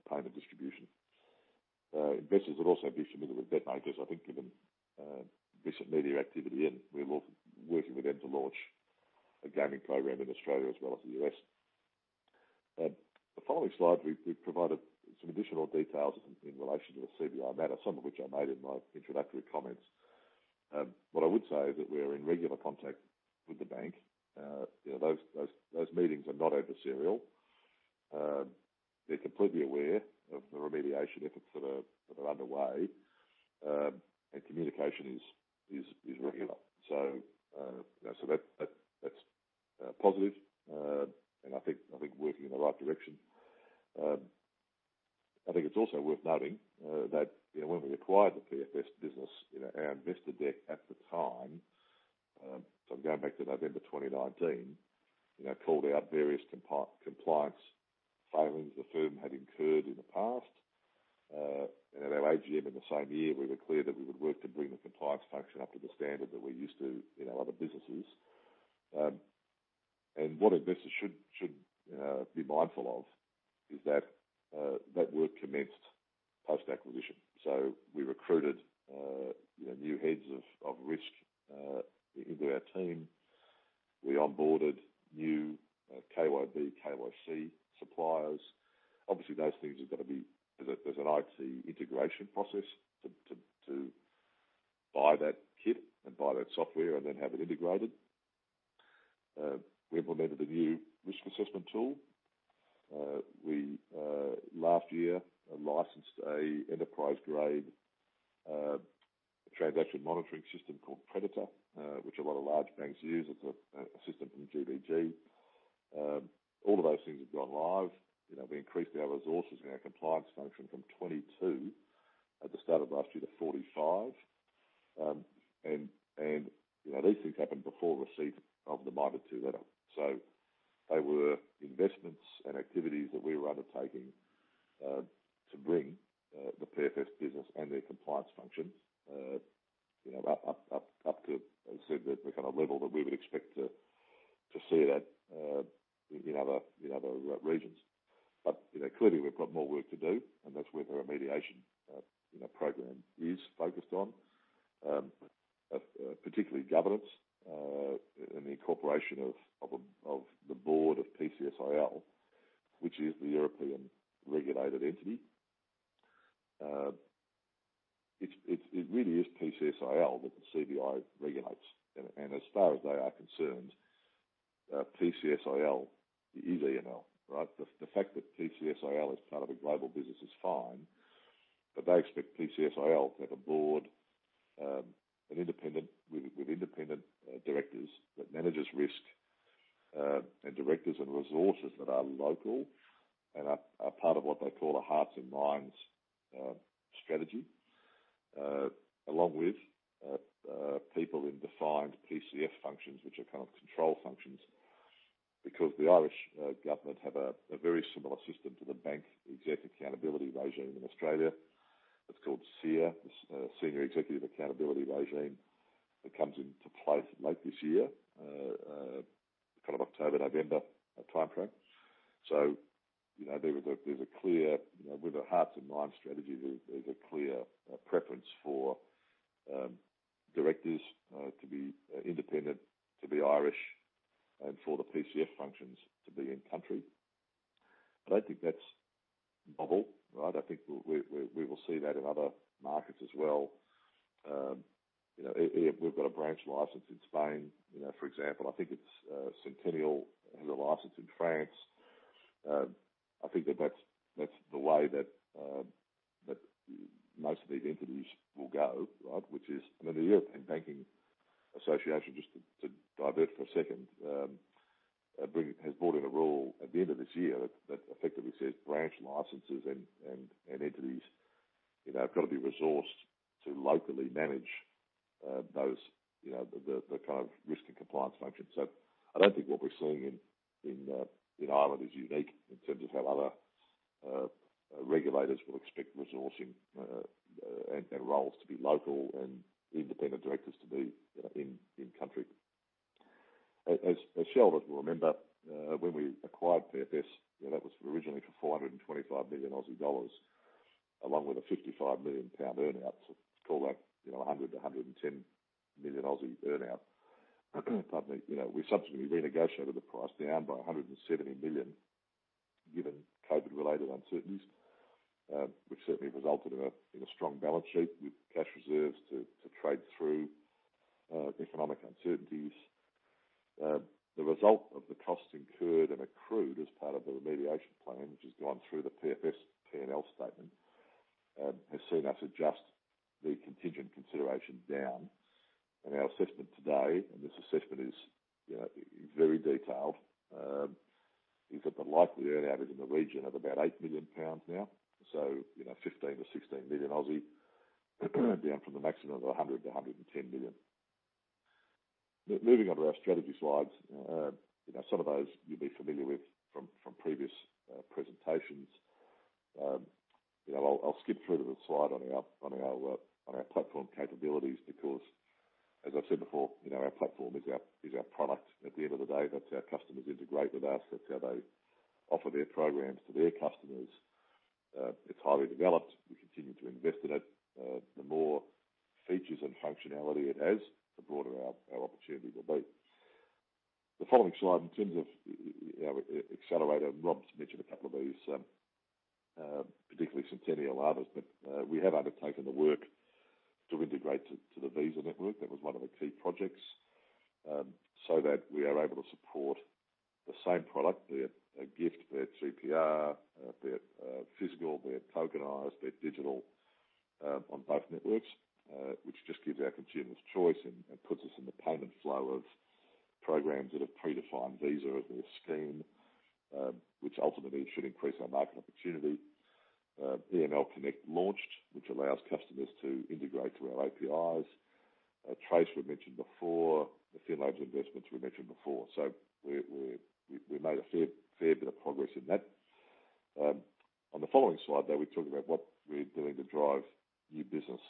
payment distribution. Investors would also be familiar with BetMakers, I think given recent media activity, and we're working with them to launch a gaming program in Australia as well as the U.S. The following slide, we've provided some additional details in relation to the CBI matter, some of which I made in my introductory comments. What I would say is that we're in regular contact with the bank. Those meetings are not adversarial. They're completely aware of the remediation efforts that are underway. Communication is regular. That's positive. I think working in the right direction. I think it's also worth noting that when we acquired the PFS business, our investor deck at the time, so I'm going back to November 2019, called out various compliance failings the firm had incurred in the past. At our AGM in the same year, we were clear that we would work to bring the compliance function up to the standard that we're used to in our other businesses. What investors should be mindful of is that that work commenced post-acquisition. We recruited new heads of risk into our team. We onboarded new KYB, KYC suppliers. Obviously, those things have got to be. There's an IT integration process to buy that kit and buy that software and then have it integrated. We implemented a new risk assessment tool. We, last year, licensed a enterprise-grade transaction monitoring system called Predator, which a lot of large banks use. It's a system from GBG. All of those things have gone live. We increased our resources and our compliance function from 22 at the start of last year to 45. These things happened before receipt of the minded to letter. They were investments and activities that we were undertaking to bring the PFS business and their compliance functions up to, as I said, the kind of level that we would expect to see that in other regions. Clearly, we've got more work to do, and that's where the remediation program is focused on, particularly governance and the incorporation of the Board of PCSIL, which is the European regulated entity. It really is PCSIL that the CBI regulates. As far as they are concerned, PCSIL, the easy EML, right? The fact that PCSIL is part of a global business is fine, but they expect PCSIL to have a Board with independent directors that manages risk, and directors and resources that are local and are part of what they call a hearts and minds strategy, along with people in defined PCF functions, which are kind of control functions. The Irish government have a very similar system to the Bank Executive Accountability Regime in Australia. It's called SEAR, the Senior Executive Accountability Regime, that comes into place late this year, kind of October, November timeframe. With the hearts and minds strategy, there's a clear preference for directors to be independent, to be Irish, and for the PCF functions to be in-country. I think that's novel, right? I think we will see that in other markets as well. We've got a branch license in Spain, for example. I think it's Sentenial has a license in France. I think that that's the way that most of these entities will go, right? The European Banking Association, just to divert for a second, has brought in a rule at the end of this year that effectively says branch licenses and entities have got to be resourced to locally manage the kind of risk and compliance function. I don't think what we're seeing in Ireland is unique in terms of how other regulators will expect resourcing and roles to be local and independent directors to be in country. As shareholders will remember, when we acquired PFS, that was originally for 425 million Aussie dollars, along with a 55 million pound earn-out. Call that, 100 million-110 million earn-out. Pardon me. We subsequently renegotiated the price down by 170 million, given COVID-related uncertainties, which certainly resulted in a strong balance sheet with cash reserves to trade through economic uncertainties. The result of the costs incurred and accrued as part of the remediation plan, which has gone through the PFS P&L statement, has seen us adjust the contingent consideration down. Our assessment today, and this assessment is very detailed, is that the likely earn-out is in the region of about 8 million pounds now. 15 million-16 million, down from the maximum of 100 million-110 million. Moving on to our strategy slides. Some of those you'll be familiar with from previous presentations. I'll skip through to the slide on our platform capabilities because, as I've said before, our platform is our product. At the end of the day, that's how our customers integrate with us. That's how they offer their programs to their customers. It's highly developed. We continue to invest in it. The more features and functionality it has, the broader our opportunities will be. The following slide, in terms of our Accelerator, Rob's mentioned a couple of these, particularly Sentenial others. We have undertaken the work to integrate to the Visa network. That was one of the key projects, so that we are able to support the same product, be it gift, be it GPR, be it physical, be it tokenized, be it digital, on both networks. Which just gives our consumers choice and puts us in the payment flow of programs that have predefined Visa as their scheme, which ultimately should increase our market opportunity. EML Connect launched, which allows customers to integrate through our APIs. TRACE we've mentioned before. The FINLABs investments we mentioned before. We made a fair bit of progress in that. On the following slide, though, we talk about what we're doing to drive new business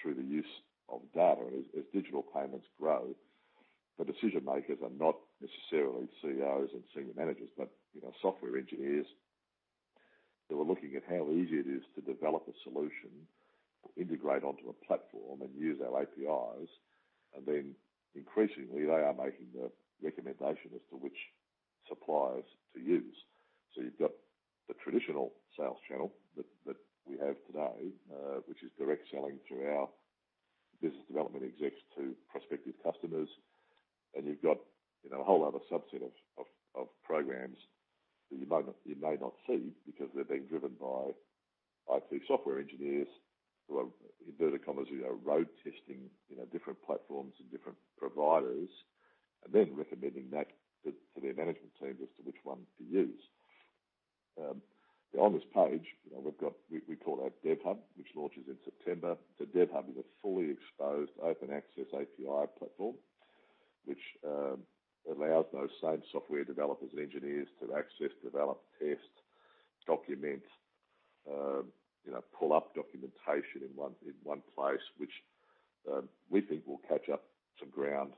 through the use of data. As Digital Payments grow, the decision-makers are not necessarily CEOs and senior managers, but software engineers who are looking at how easy it is to develop a solution, integrate onto a platform, and use our APIs. Increasingly, they are making the recommendation as to which suppliers to use. You've got the traditional sales channel that we have today, which is direct selling through our business development execs to prospective customers. You've got a whole other subset of programs that you may not see because they're being driven by IT software engineers who are, in inverted commas, "road testing" different platforms and different providers, and then recommending that to their management team as to which one to use. On this page, we've got what we call our DevHub, which launches in September. DevHub is a fully exposed open access API platform, which allows those same software developers and engineers to access, develop, test, document, pull up documentation in one place, which we think will catch up some ground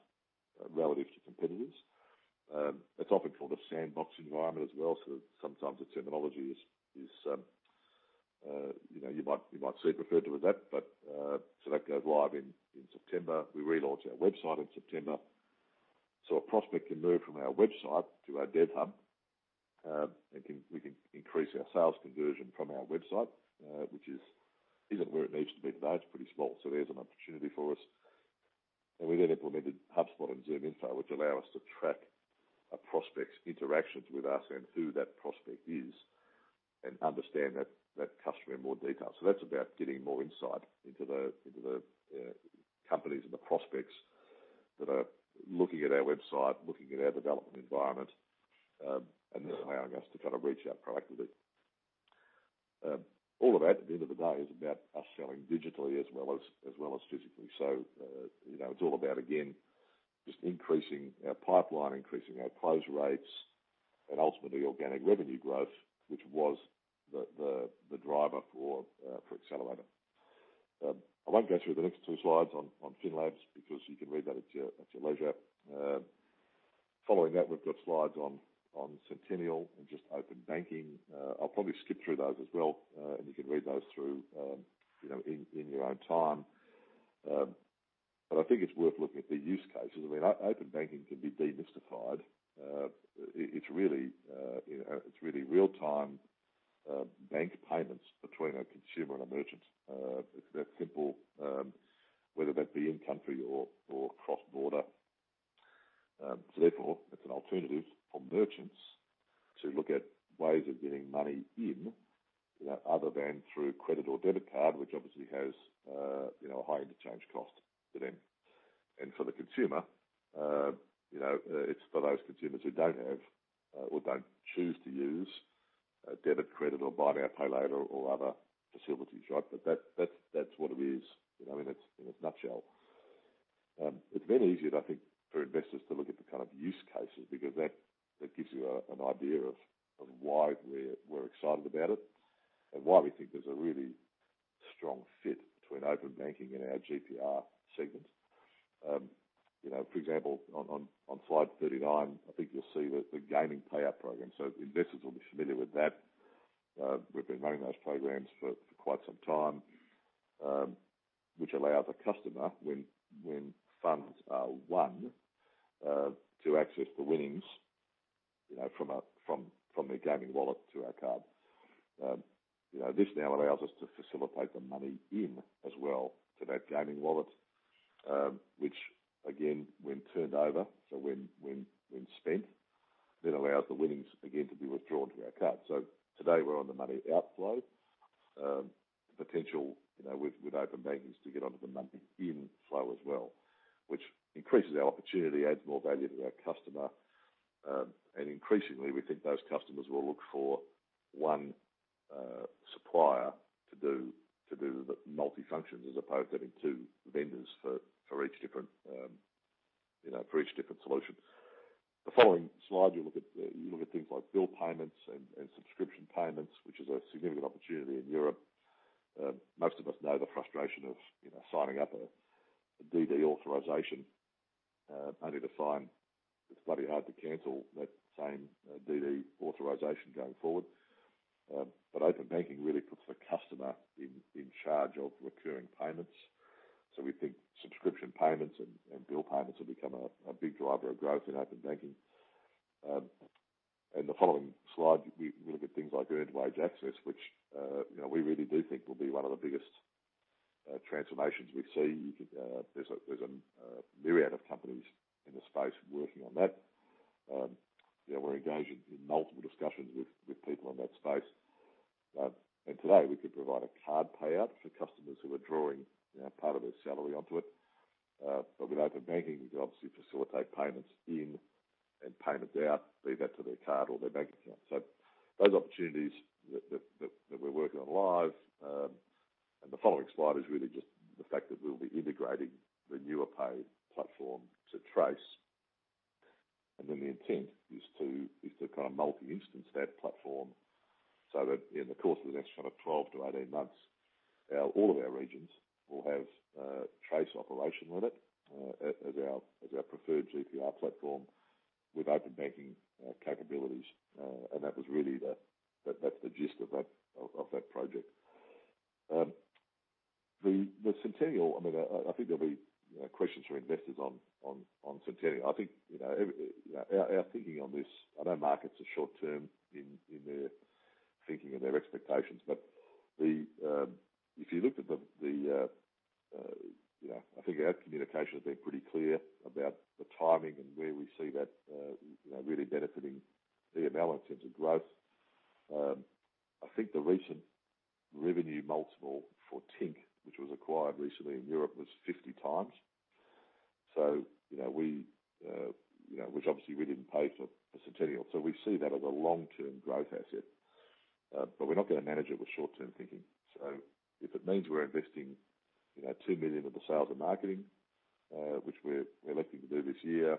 relative to competitors. It's often called a sandbox environment as well. Sometimes the terminology you might see referred to as that. That goes live in September. We relaunch our website in September. A prospect can move from our website to our DevHub. And we can increase our sales conversion from our website, which isn't where it needs to be today. It's pretty small. There's an opportunity for us. We then implemented HubSpot and ZoomInfo, which allow us to track a prospect's interactions with us and who that prospect is and understand that customer in more detail. That's about getting more insight into the companies and the prospects that are looking at our website, looking at our development environment, and then allowing us to reach out proactively. All of that, at the end of the day, is about us selling digitally as well as physically. It's all about, again, just increasing our pipeline, increasing our close rates, and ultimately organic revenue growth, which was the driver for Accelerator. I won't go through the next two slides on FINLABs because you can read that at your leisure. Following that, we've got slides on Sentenial and just open banking. I'll probably skip through those as well, and you can read those through in your own time. I think it's worth looking at the use cases. Open banking can be demystified. It's really real-time bank payments between a consumer and a merchant. It's that simple, whether that be in country or cross-border. Therefore, it's an alternative for merchants to look at ways of getting money in, other than through credit or debit card, which obviously has a high interchange cost for them. For the consumer, it's for those consumers who don't have or don't choose to use a debit, credit or Buy Now Pay Later or other facilities. That's what it is in a nutshell. It's very easy, I think, for investors to look at the kind of use cases because that gives you an idea of why we're excited about it and why we think there's a really strong fit between open banking and our GPR segment. For example, on slide 39, I think you'll see the gaming payout program. Investors will be familiar with that. We've been running those programs for quite some time, which allow the customer, when funds are won, to access the winnings, from their gaming wallet to our card. This now allows us to facilitate the money in as well to that gaming wallet, which again, when turned over, so when spent, then allows the winnings again to be withdrawn to our card. Today, we're on the money outflow. Potential, with open banking, is to get onto the money inflow as well, which increases our opportunity, adds more value to our customer. Increasingly, we think those customers will look for one supplier to do the multifunctions, as opposed to having two vendors for each different solution. The following slide, you look at things like bill payments and subscription payments, which is a significant opportunity in Europe. Most of us know the frustration of signing up a DD authorization, only to find it's bloody hard to cancel that same DD authorization going forward. Open banking really puts the customer in charge of recurring payments. We think subscription payments and bill payments will become a big driver of growth in open banking. In the following slide, we look at things like earned wage access, which we really do think will be one of the biggest transformations we see. There's a myriad of companies in the space working on that. We're engaged in multiple discussions with people in that space. Today, we could provide a card payout for customers who are drawing part of their salary onto it. With open banking, we could obviously facilitate payments in and payments out, be that to their card or their bank account. Those opportunities that we're working on live. The following slide is really just the fact that we'll be integrating the Nuapay platform to TRACE. The intent is to multi-instance that platform so that in the course of the next kind of 12-18 months, all of our regions will have TRACE operation on it as our preferred GPR platform with open banking capabilities. That's the gist of that project. The Sentenial, I think there'll be questions from investors on Sentenial. Our thinking on this, I know markets are short-term in their thinking and their expectations, if you looked at the I think our communication has been pretty clear about the timing and where we see that really benefiting EML in terms of growth. I think the recent revenue multiple for Tink, which was acquired recently in Europe, was 50 times. Obviously we didn't pay for Sentenial. We see that as a long-term growth asset. We're not going to manage it with short-term thinking. If it means we're investing 2 million of the sales and marketing, which we're electing to do this year,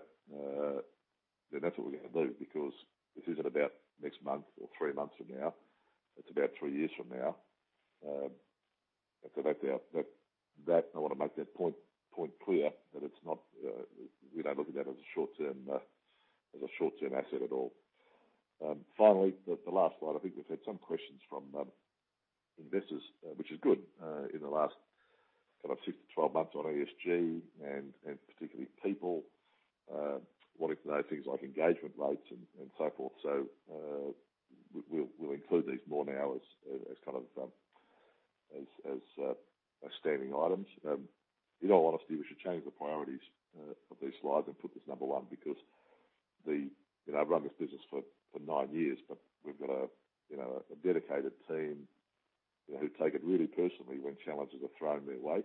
that's what we're going to do, because this isn't about next month or three months from now. It's about three years from now. I want to make that point clear that we're not looking at that as a short-term asset at all. Finally, the last slide. I think we've had some questions from investors, which is good, in the last kind of six to 12 months on ESG and particularly people wanting to know things like engagement rates and so forth. We'll include these more now as standing items. In all honesty, we should change the priorities of these slides and put this number one, because I've run this business for nine years, but we've got a dedicated team who take it really personally when challenges are thrown their way.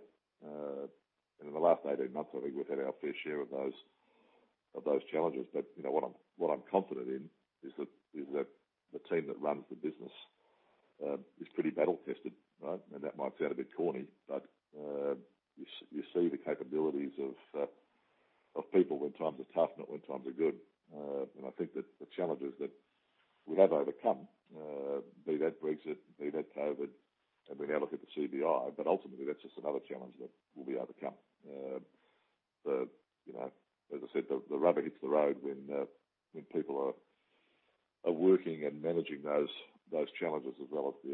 In the last 18 months, I think we've had our fair share of those challenges. What I'm confident in is that the team that runs the business is pretty battle-tested, right? That might sound a bit corny, but you see the capabilities of people when times are tough, not when times are good. I think that the challenges that we have overcome, be that Brexit, be that COVID, we now look at the CBI. Ultimately that's just another challenge that we'll overcome. As I said, the rubber hits the road when people are working and managing those challenges as well as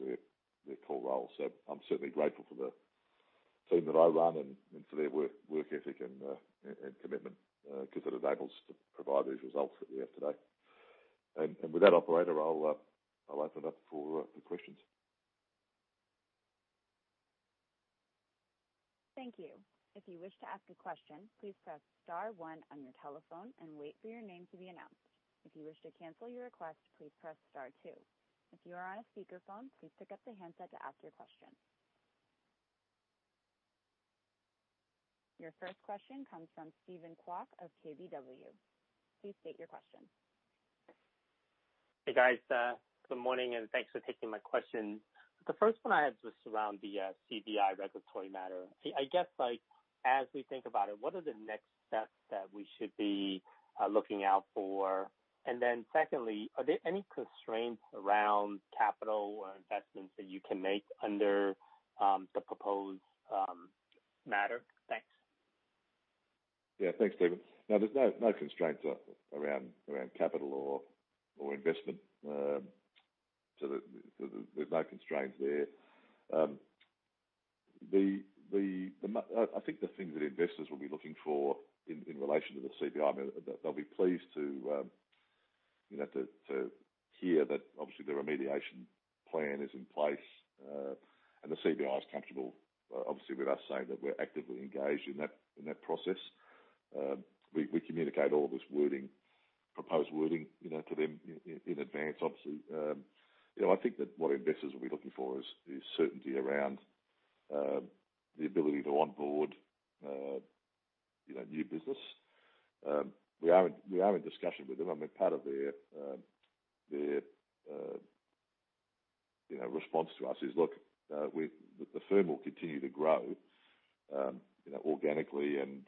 their core role. I'm certainly grateful for the team that I run and for their work ethic and commitment, because it enables to provide these results that we have today. With that, operator, I'll open up for the questions. Thank you. If you wish to ask a question, please press star one on your telephone and wait for your name to be announced. If you wish to cancel your request, please press star two. If you are on a speakerphone, please pick up the handset to ask your question. Your first question comes from Steven Kwok of KBW. Please state your question. Hey, guys. Good morning, and thanks for taking my question. The first one I had was around the CBI regulatory matter. I guess, as we think about it, what are the next steps that we should be looking out for? Secondly, are there any constraints around capital or investments that you can make under the proposed matter? Thanks. Yeah. Thanks, Steven. No, there's no constraints around capital or investment. There's no constraints there. I think the things that investors will be looking for in relation to the CBI, they'll be pleased to hear that obviously the remediation plan is in place and the CBI is comfortable, obviously, with us saying that we're actively engaged in that process. We communicate all this wording, proposed wording, to them in advance, obviously. I think that what investors will be looking for is certainty around the ability to onboard new business. We are in discussion with them. I mean, part of their response to us is, "Look, the firm will continue to grow organically and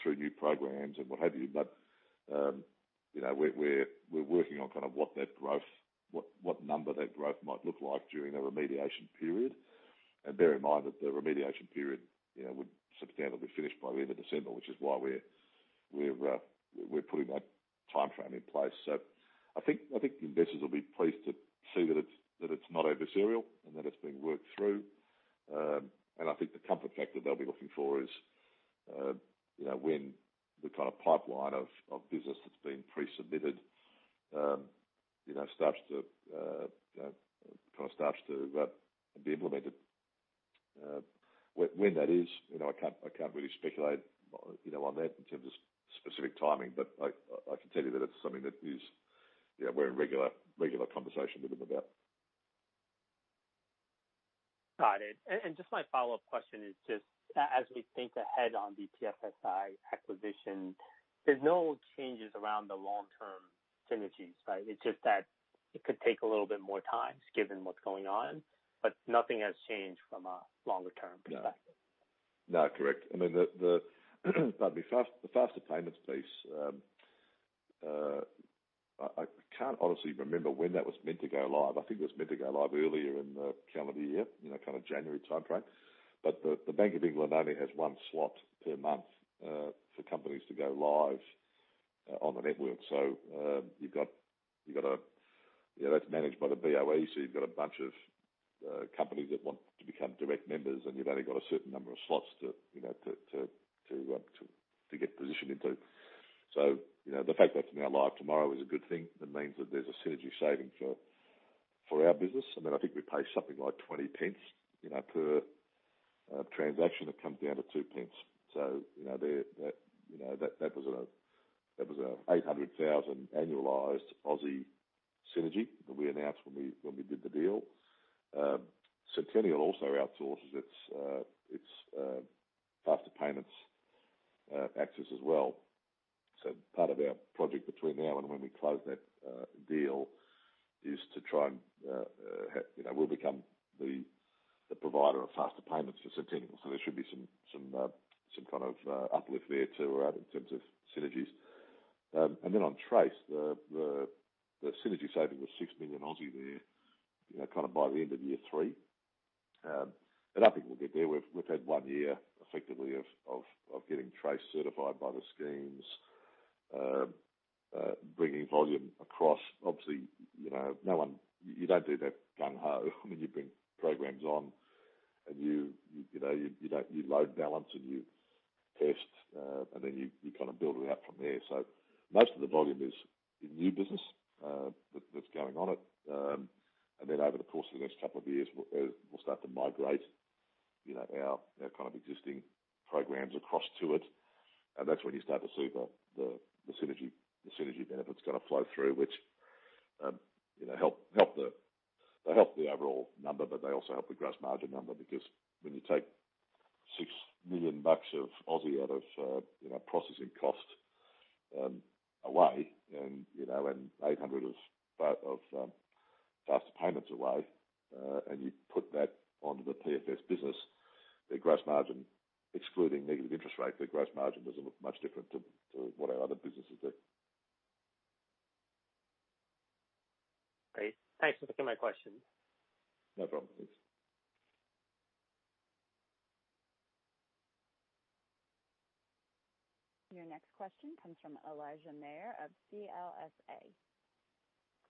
through new programs," and what have you. We're working on kind of what that growth, what number that growth might look like during the remediation period. Bear in mind that the remediation period would substantially be finished by the end of December, which is why we're putting that timeframe in place. I think investors will be pleased to see that it's not adversarial and that it's being worked through. I think the comfort factor they'll be looking for is when the kind of pipeline of business that's been pre-submitted starts to be implemented. When that is, I can't really speculate on that in terms of specific timing. I can tell you that it's something that we're in regular conversation with them about. Got it. Just my follow-up question is just as we think ahead on the PFSI acquisition, there's no changes around the long-term synergies, right? It's just that it could take a little bit more time given what's going on, but nothing has changed from a longer-term perspective. No. No, correct. I mean, the faster payments piece, I can't honestly remember when that was meant to go live. I think it was meant to go live earlier in the calendar year, kind of January timeframe. The Bank of England only has one slot per month for companies to go live on the network. That's managed by the BoE, so you've got a bunch of companies that want to become direct members, and you've only got a certain number of slots to get positioned into. The fact that's now live tomorrow is a good thing. That means that there's a synergy saving for our business, and then I think we pay something like 0.20 per transaction. That comes down to 0.02. That was a 800,000 annualized Aussie synergy that we announced when we did the deal. Sentenial also outsources its Faster Payments access as well. Part of our project between now and when we close that deal is to try and we'll become the provider of Faster Payments for Sentenial. There should be some kind of uplift there, too, in terms of synergies. On TRACE, the synergy saving was 6 million there, kind of by the end of year three. I think we'll get there. We've had one year effectively of getting TRACE certified by the schemes. Bringing volume across. Obviously, you don't do that gung ho. You bring programs on and you load balance and you test, and then you build it out from there. Most of the volume is in new business that's going on it. Over the course of the next couple of years, we'll start to migrate our existing programs across to it. That's when you start to see the synergy benefits kind of flow through, which help the overall number, but they also help the gross margin number because when you take 6 million bucks out of processing cost away and 800 of Faster Payments away, and you put that onto the PFS business, their gross margin, excluding negative interest rate, their gross margin doesn't look much different to what our other businesses do. Great. Thanks for taking my question. No problem. Thanks. Your next question comes from Elijah Mayr of CLSA.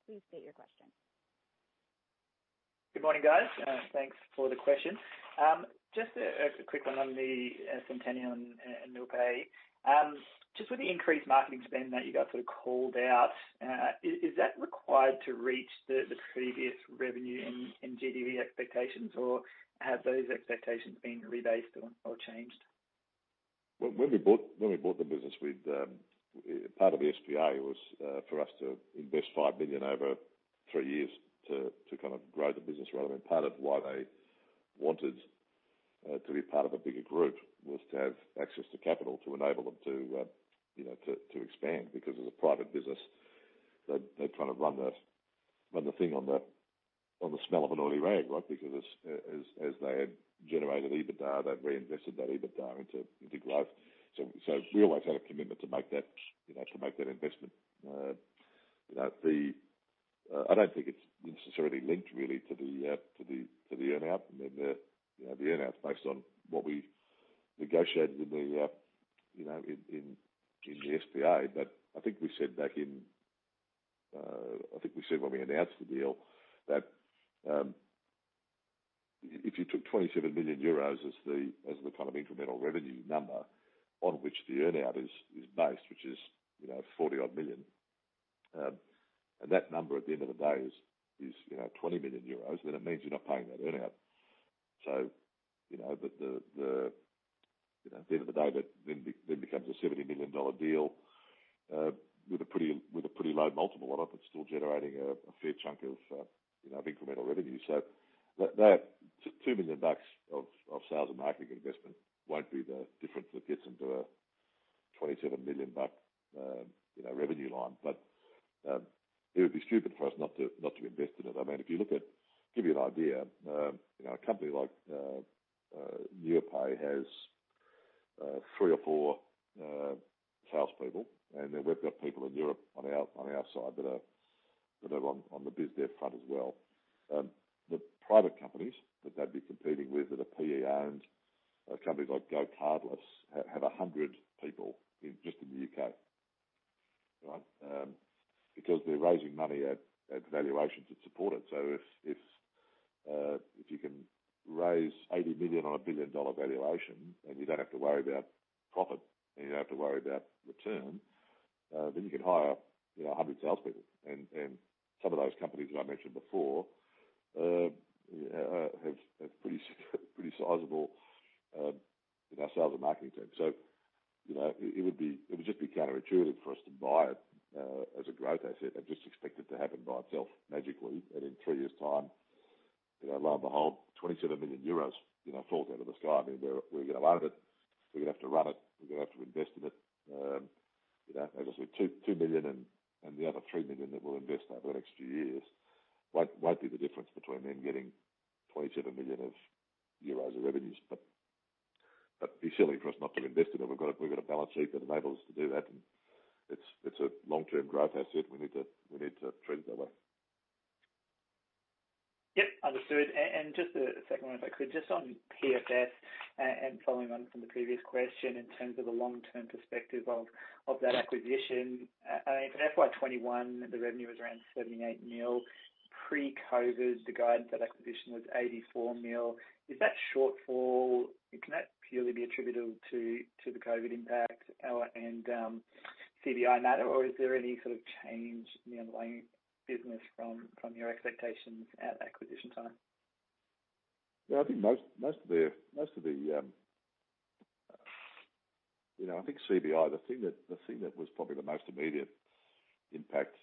Please state your question. Good morning, guys. Thanks for the question. Just a quick one on the Sentenial and Nuapay. Just with the increased marketing spend that you guys sort of called out, is that required to reach the previous revenue and GDV expectations, or have those expectations been rebased or changed? Well, when we bought the business, part of the SPA was for us to invest 5 million over three years to kind of grow the business, rather than part of why they wanted to be part of a bigger Group was to have access to capital to enable them to expand because as a private business, they're trying to run the thing on the smell of an oily rag, right? Because as they had generated EBITDA, they'd reinvested that EBITDA into growth. We always had a commitment to make that investment. I don't think it's necessarily linked really to the earn-out. The earn-out is based on what we negotiated in the SPA. I think we said when we announced the deal that if you took 27 million euros as the kind of incremental revenue number on which the earn-out is based, which is 40-odd million, and that number at the end of the day is 20 million euros, it means you're not paying that earn-out. At the end of the day, that then becomes a 70 million dollar deal with a pretty low multiple on it, but still generating a fair chunk of incremental revenue. That 2 million bucks of sales and marketing investment won't be the difference that gets them to a 27 million revenue line. It would be stupid for us not to invest in it. To give you an idea, a company like Nuapay has three or four salespeople, and then we've got people in Europe on our side that are on the BizDev front as well. The private companies that they'd be competing with that are PE-owned, companies like GoCardless, have 100 people just in the U.K., right? They're raising money at valuations that support it. If you can raise 80 million on a 1 billion dollar valuation and you don't have to worry about profit and you don't have to worry about return, you can hire 100 salespeople. Some of those companies that I mentioned before have pretty sizable sales and marketing teams. It would just be counterintuitive for us to buy it as a growth asset and just expect it to happen by itself magically, and in three years' time, lo and behold, 27 million euros falls out of the sky. We're going to own it. We're going to have to run it. We're going to have to invest in it. As I said, 2 million and the other 3 million that we'll invest over the next few years won't be the difference between them getting 27 million euros of revenues. It'd be silly for us not to invest in it. We've got a balance sheet that enables us to do that, and it's a long-term growth asset. We need to treat it that way. Yep. Understood. Just a second one, if I could. Just on PFS and following on from the previous question in terms of the long-term perspective of that acquisition. For FY 2021, the revenue was around 78 million. Pre-COVID, the guidance of that acquisition was 84 million. Is that shortfall, can that purely be attributable to the COVID impact and CBI matter, or is there any sort of change in the underlying business from your expectations at acquisition time? I think the thing that was probably the most immediate impact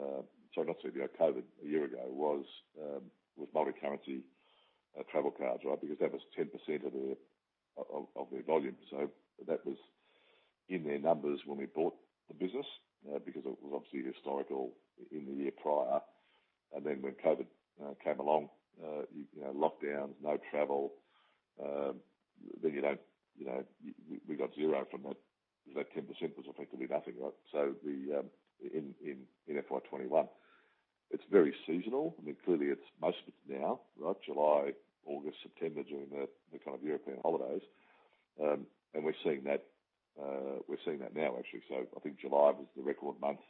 COVID, a year ago, was with multicurrency travel cards, right. Because that was 10% of their volume. That was in their numbers when we bought the business, because it was obviously historical in the year prior. When COVID came along, lockdowns, no travel, we got zero from that 10%, was effectively nothing, right. In FY 2021. It's very seasonal. Clearly, most of it's now, July, August, September, during the European holidays. We're seeing that now actually. I think July was the record month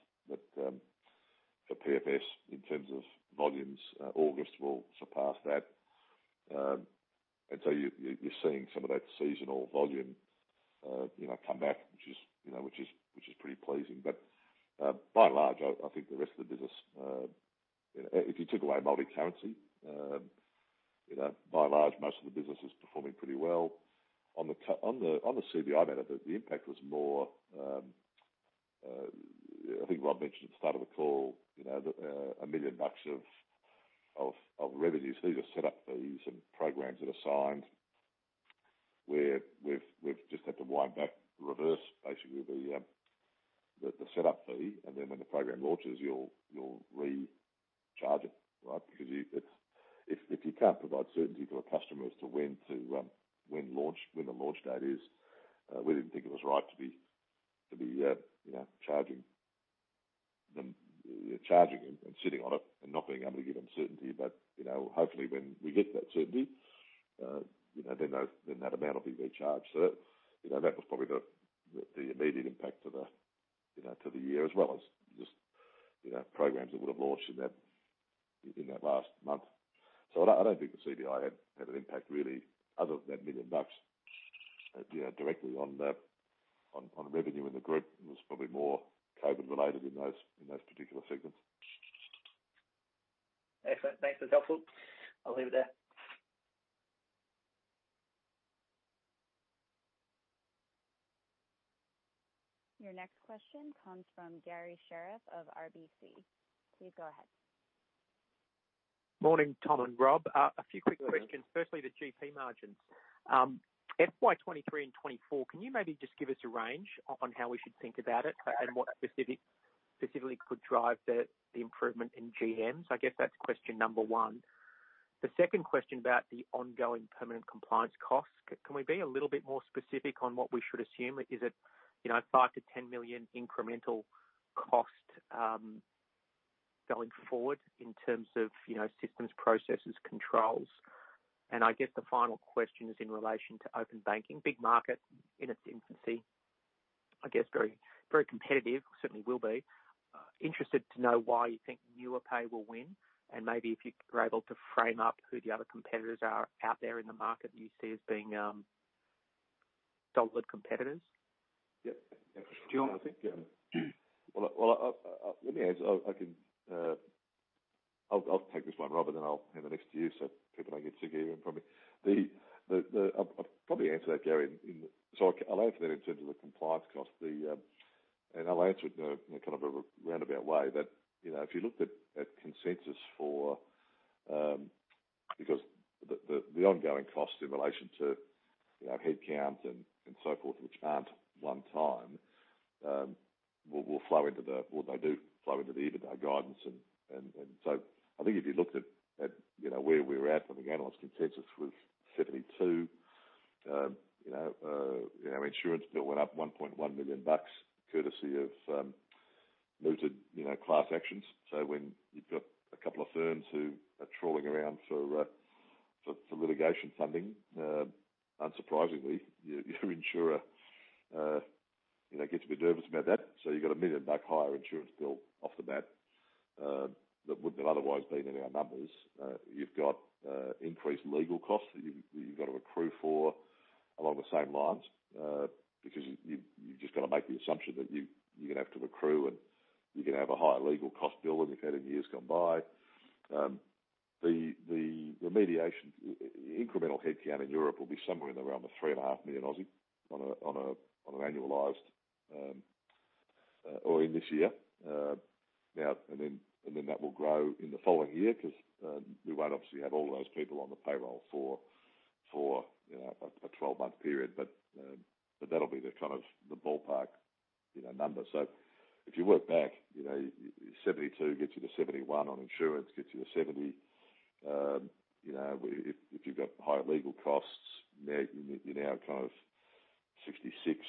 for PFS in terms of volumes. August will surpass that. You're seeing some of that seasonal volume come back, which is pretty pleasing. By and large, I think the rest of the business, if you took away multi-currency, by and large, most of the business is performing pretty well. On the CBI matter, the impact was more, I think Rob mentioned at the start of the call, 1 million bucks of revenues. These are set up fees and programs that are signed, where we've just had to wind back reverse, basically, with the setup fee. Then when the program launches, you'll recharge it. If you can't provide certainty to a customer as to when the launch date is, we didn't think it was right to be charging them and sitting on it and not being able to give them certainty. Hopefully, when we get that certainty, then that amount will be recharged. That was probably the immediate impact to the year, as well as just programs that would've launched in that last month. I don't think the CBI had an impact really, other than that 1 million bucks directly on revenue in the group. It was probably more COVID related in those particular segments. Excellent. Thanks. That's helpful. I'll leave it there. Your next question comes from Garry Sherriff of RBC. Please go ahead. Morning, Tom and Rob. A few quick questions. Firstly, the GP margins. FY 2023 and 2024, can you maybe just give us a range on how we should think about it and what specifically could drive the improvement in GMs? I guess that's question number one. The second question about the ongoing permanent compliance cost. Can we be a little bit more specific on what we should assume? Is it 5 million-10 million incremental cost going forward in terms of systems, processes, controls? I guess the final question is in relation to open banking. Big market in its infancy, I guess very competitive, or certainly will be. Interested to know why you think Nuapay will win, and maybe if you are able to frame up who the other competitors are out there in the market that you see as being solid competitors. Yep. Sure. I think, well, let me answer. I'll take this one, Rob, and then I'll hand the next to you, so people don't get sick of hearing from me. I'll probably answer that, Garry. I'll answer that in terms of the compliance cost. I'll answer it in kind of a roundabout way. The ongoing cost in relation to headcounts and so forth, which aren't one time, they do flow into the EBITDA guidance. I think if you looked at where we're at from the analyst consensus was 72. Our insurance bill went up 1.1 million bucks courtesy of mooted class actions. When you've got a couple of firms who are trawling around for litigation funding, unsurprisingly, your insurer gets a bit nervous about that. You've got a 1 million higher insurance bill off the bat that wouldn't have otherwise been in our numbers. You've got increased legal costs that you've got to accrue for along the same lines, because you've just got to make the assumption that you're going to have to accrue and you're going to have a higher legal cost bill than we've had in years gone by. The remediation incremental headcount in Europe will be somewhere in the realm of 3.5 million on an annualized or in this year. That will grow in the following year because we won't obviously have all those people on the payroll for a 12-month period. That'll be the kind of the ballpark number. If you work back, 72 gets you to 71 on insurance, gets you to 70. If you've got higher legal costs, you're now kind of 66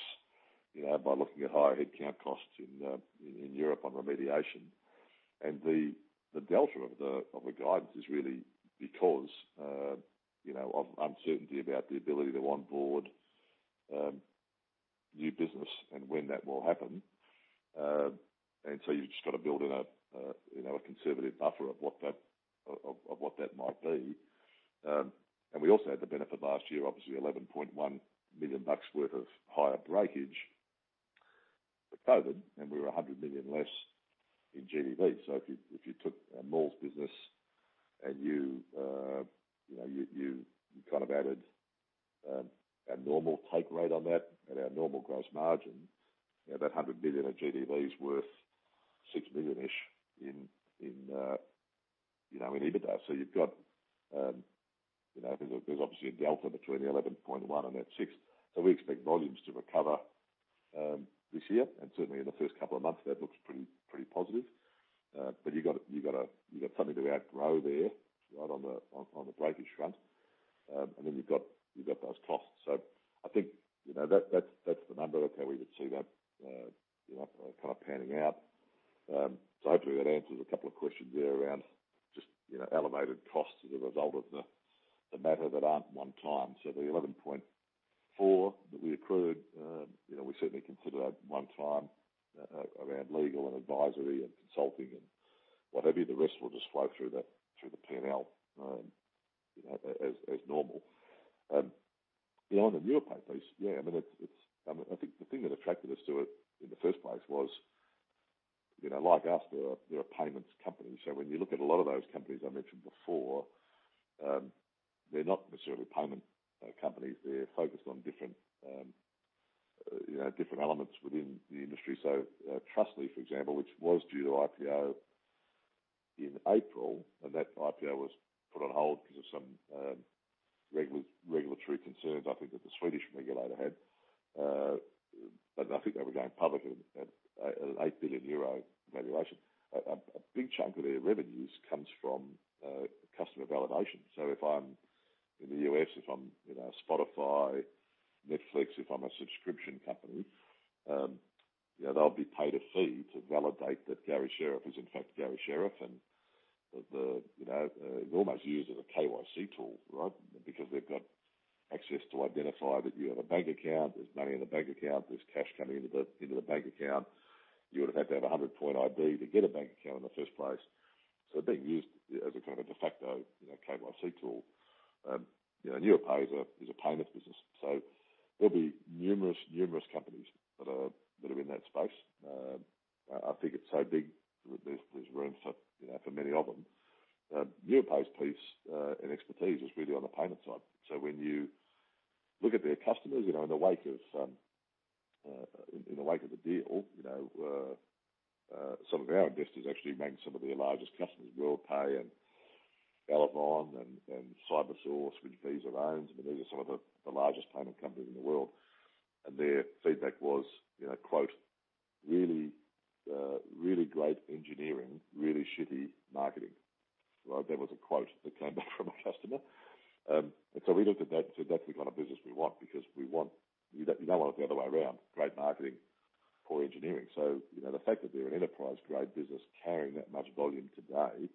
by looking at higher headcount costs in Europe on remediation. The delta of the guidance is really because of uncertainty about the ability to onboard new business and when that will happen. You've just got to build in a conservative buffer of what that might be. We also had the benefit last year, obviously, 11.1 million bucks worth of higher breakage with COVID, and we were 100 million less in GDV. If you took malls business and you kind of added a normal take rate on that at our normal gross margin, that 100 million of GDV is worth 6 million-ish in EBITDA. There's obviously a delta between the 11.1 million and that 6 million. We expect volumes to recover this year. Certainly, in the first couple of months, that looks pretty positive. You've got something to outgrow there on the breakage front. Then you've got those costs. I think that's the number where we could see that panning out. Hopefully that answers a couple of questions there around just elevated costs as a result of the matter that aren't one time. The 11.4 million that we accrued, we certainly consider that one time around legal and advisory and consulting and whatever. The rest will just flow through the P&L as normal. Beyond the Nuapay piece, I think the thing that attracted us to it in the first place was, like us, they're a payments company. When you look at a lot of those companies I mentioned before, they're not necessarily payment companies. They're focused on different elements within the industry. Trustly, for example, which was due to IPO in April, and that IPO was put on hold because of some regulatory concerns I think that the Swedish regulator had. I think they were going public at an 8 billion euro valuation. A big chunk of their revenues comes from customer validation. If I'm in the U.S., if I'm Spotify, Netflix, if I'm a subscription company, they'll be paid a fee to validate that Garry Sherriff is in fact Garry Sherriff. You almost use it a KYC tool, right? Because they've got access to identify that you have a bank account, there's money in the bank account, there's cash coming into the bank account. You would have had to have a 100-point ID to get a bank account in the first place. They're being used as a kind of de facto KYC tool. Nuapay is a payments business. There'll be numerous companies that are in that space. I think it's so big. There's room for many of them. Nuapay's piece and expertise is really on the payment side. When you look at their customers, in the wake of the deal, some of our investors actually rank some of their largest customers, Worldpay and Elavon and CyberSource, which Visa owns. I mean, these are some of the largest payment companies in the world. Their feedback was, quote, "Really great engineering, really shitty marketing." That was a quote that came back from a customer. We looked at that and said, "That's the kind of business we want" because you don't want it the other way around, great marketing, poor engineering. The fact that they're an enterprise-grade business carrying that much volume today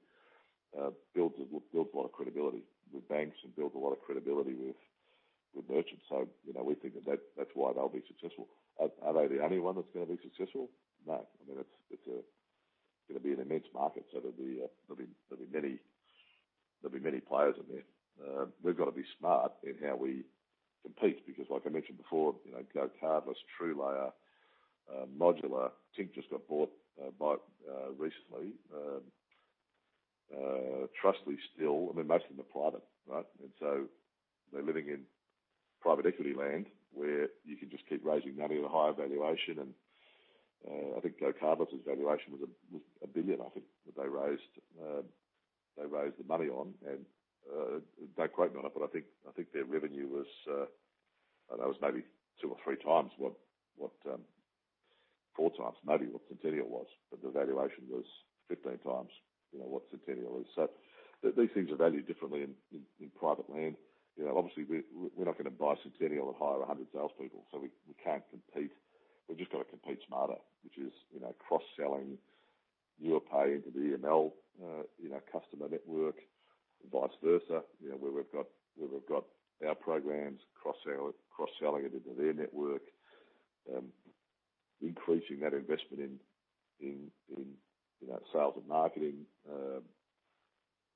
builds a lot of credibility with banks and builds a lot of credibility with merchants. We think that that's why they'll be successful. Are they the only one that's going to be successful? No. I mean, it's going to be an immense market, so there'll be many players in there. We've got to be smart in how we compete, because like I mentioned before, GoCardless, TrueLayer, Modulr, Tink just got bought recently. Trustly still. I mean, most of them are private, right? They're living in private equity land where you can just keep raising money at a higher valuation. I think GoCardless' valuation was 1 billion, I think, that they raised the money on. Don't quote me on it, but I think their revenue was maybe two or three times, four times maybe what Sentenial was. The valuation was 15 times what Sentenial is. These things are valued differently in private land. Obviously, we're not going to buy Sentenial and hire 100 salespeople. We can't compete. We've just got to compete smarter, which is cross-selling Nuapay into the EML customer network and vice versa, where we've got our programs cross-selling it into their network. Increasing that investment in sales and marketing.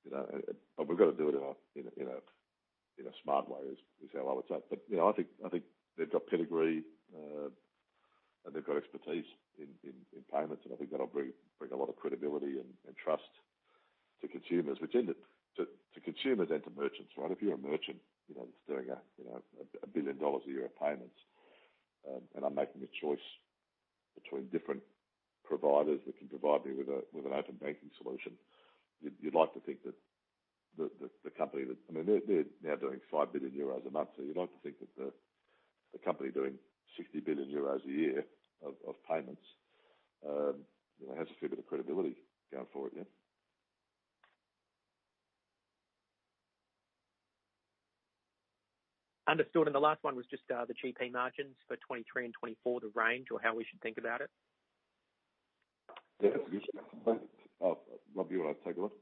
We've got to do it in a smart way, is how I would say it. I think they've got pedigree, and they've got expertise in payments, and I think that'll bring a lot of credibility and trust to consumers. Which to consumers and to merchants, right? If you're a merchant that's doing 1 billion dollars a year of payments, I'm making a choice between different providers that can provide me with an open banking solution. You'd like to think that the company that I mean, they're now doing 5 billion euros a month. You'd like to think that the company doing 60 billion euros a year of payments has a fair bit of credibility going for it, yeah? Understood. The last one was just the GP margins for 2023 and 2024, the range or how we should think about it. Yeah. Rob, do you want to take a look?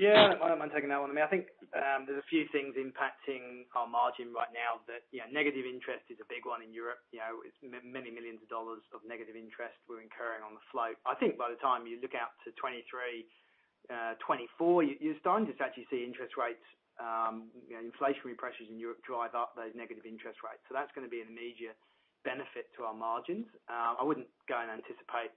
Yeah. I don't mind taking that one. I think there's a few things impacting our margin right now that negative interest is a big one in Europe. It's many millions of dollars of negative interest we're incurring on the float. I think by the time you look out to 2023, 2024, you're starting to actually see interest rates, inflationary pressures in Europe drive up those negative interest rates. That's going to be an immediate benefit to our margins. I wouldn't go and anticipate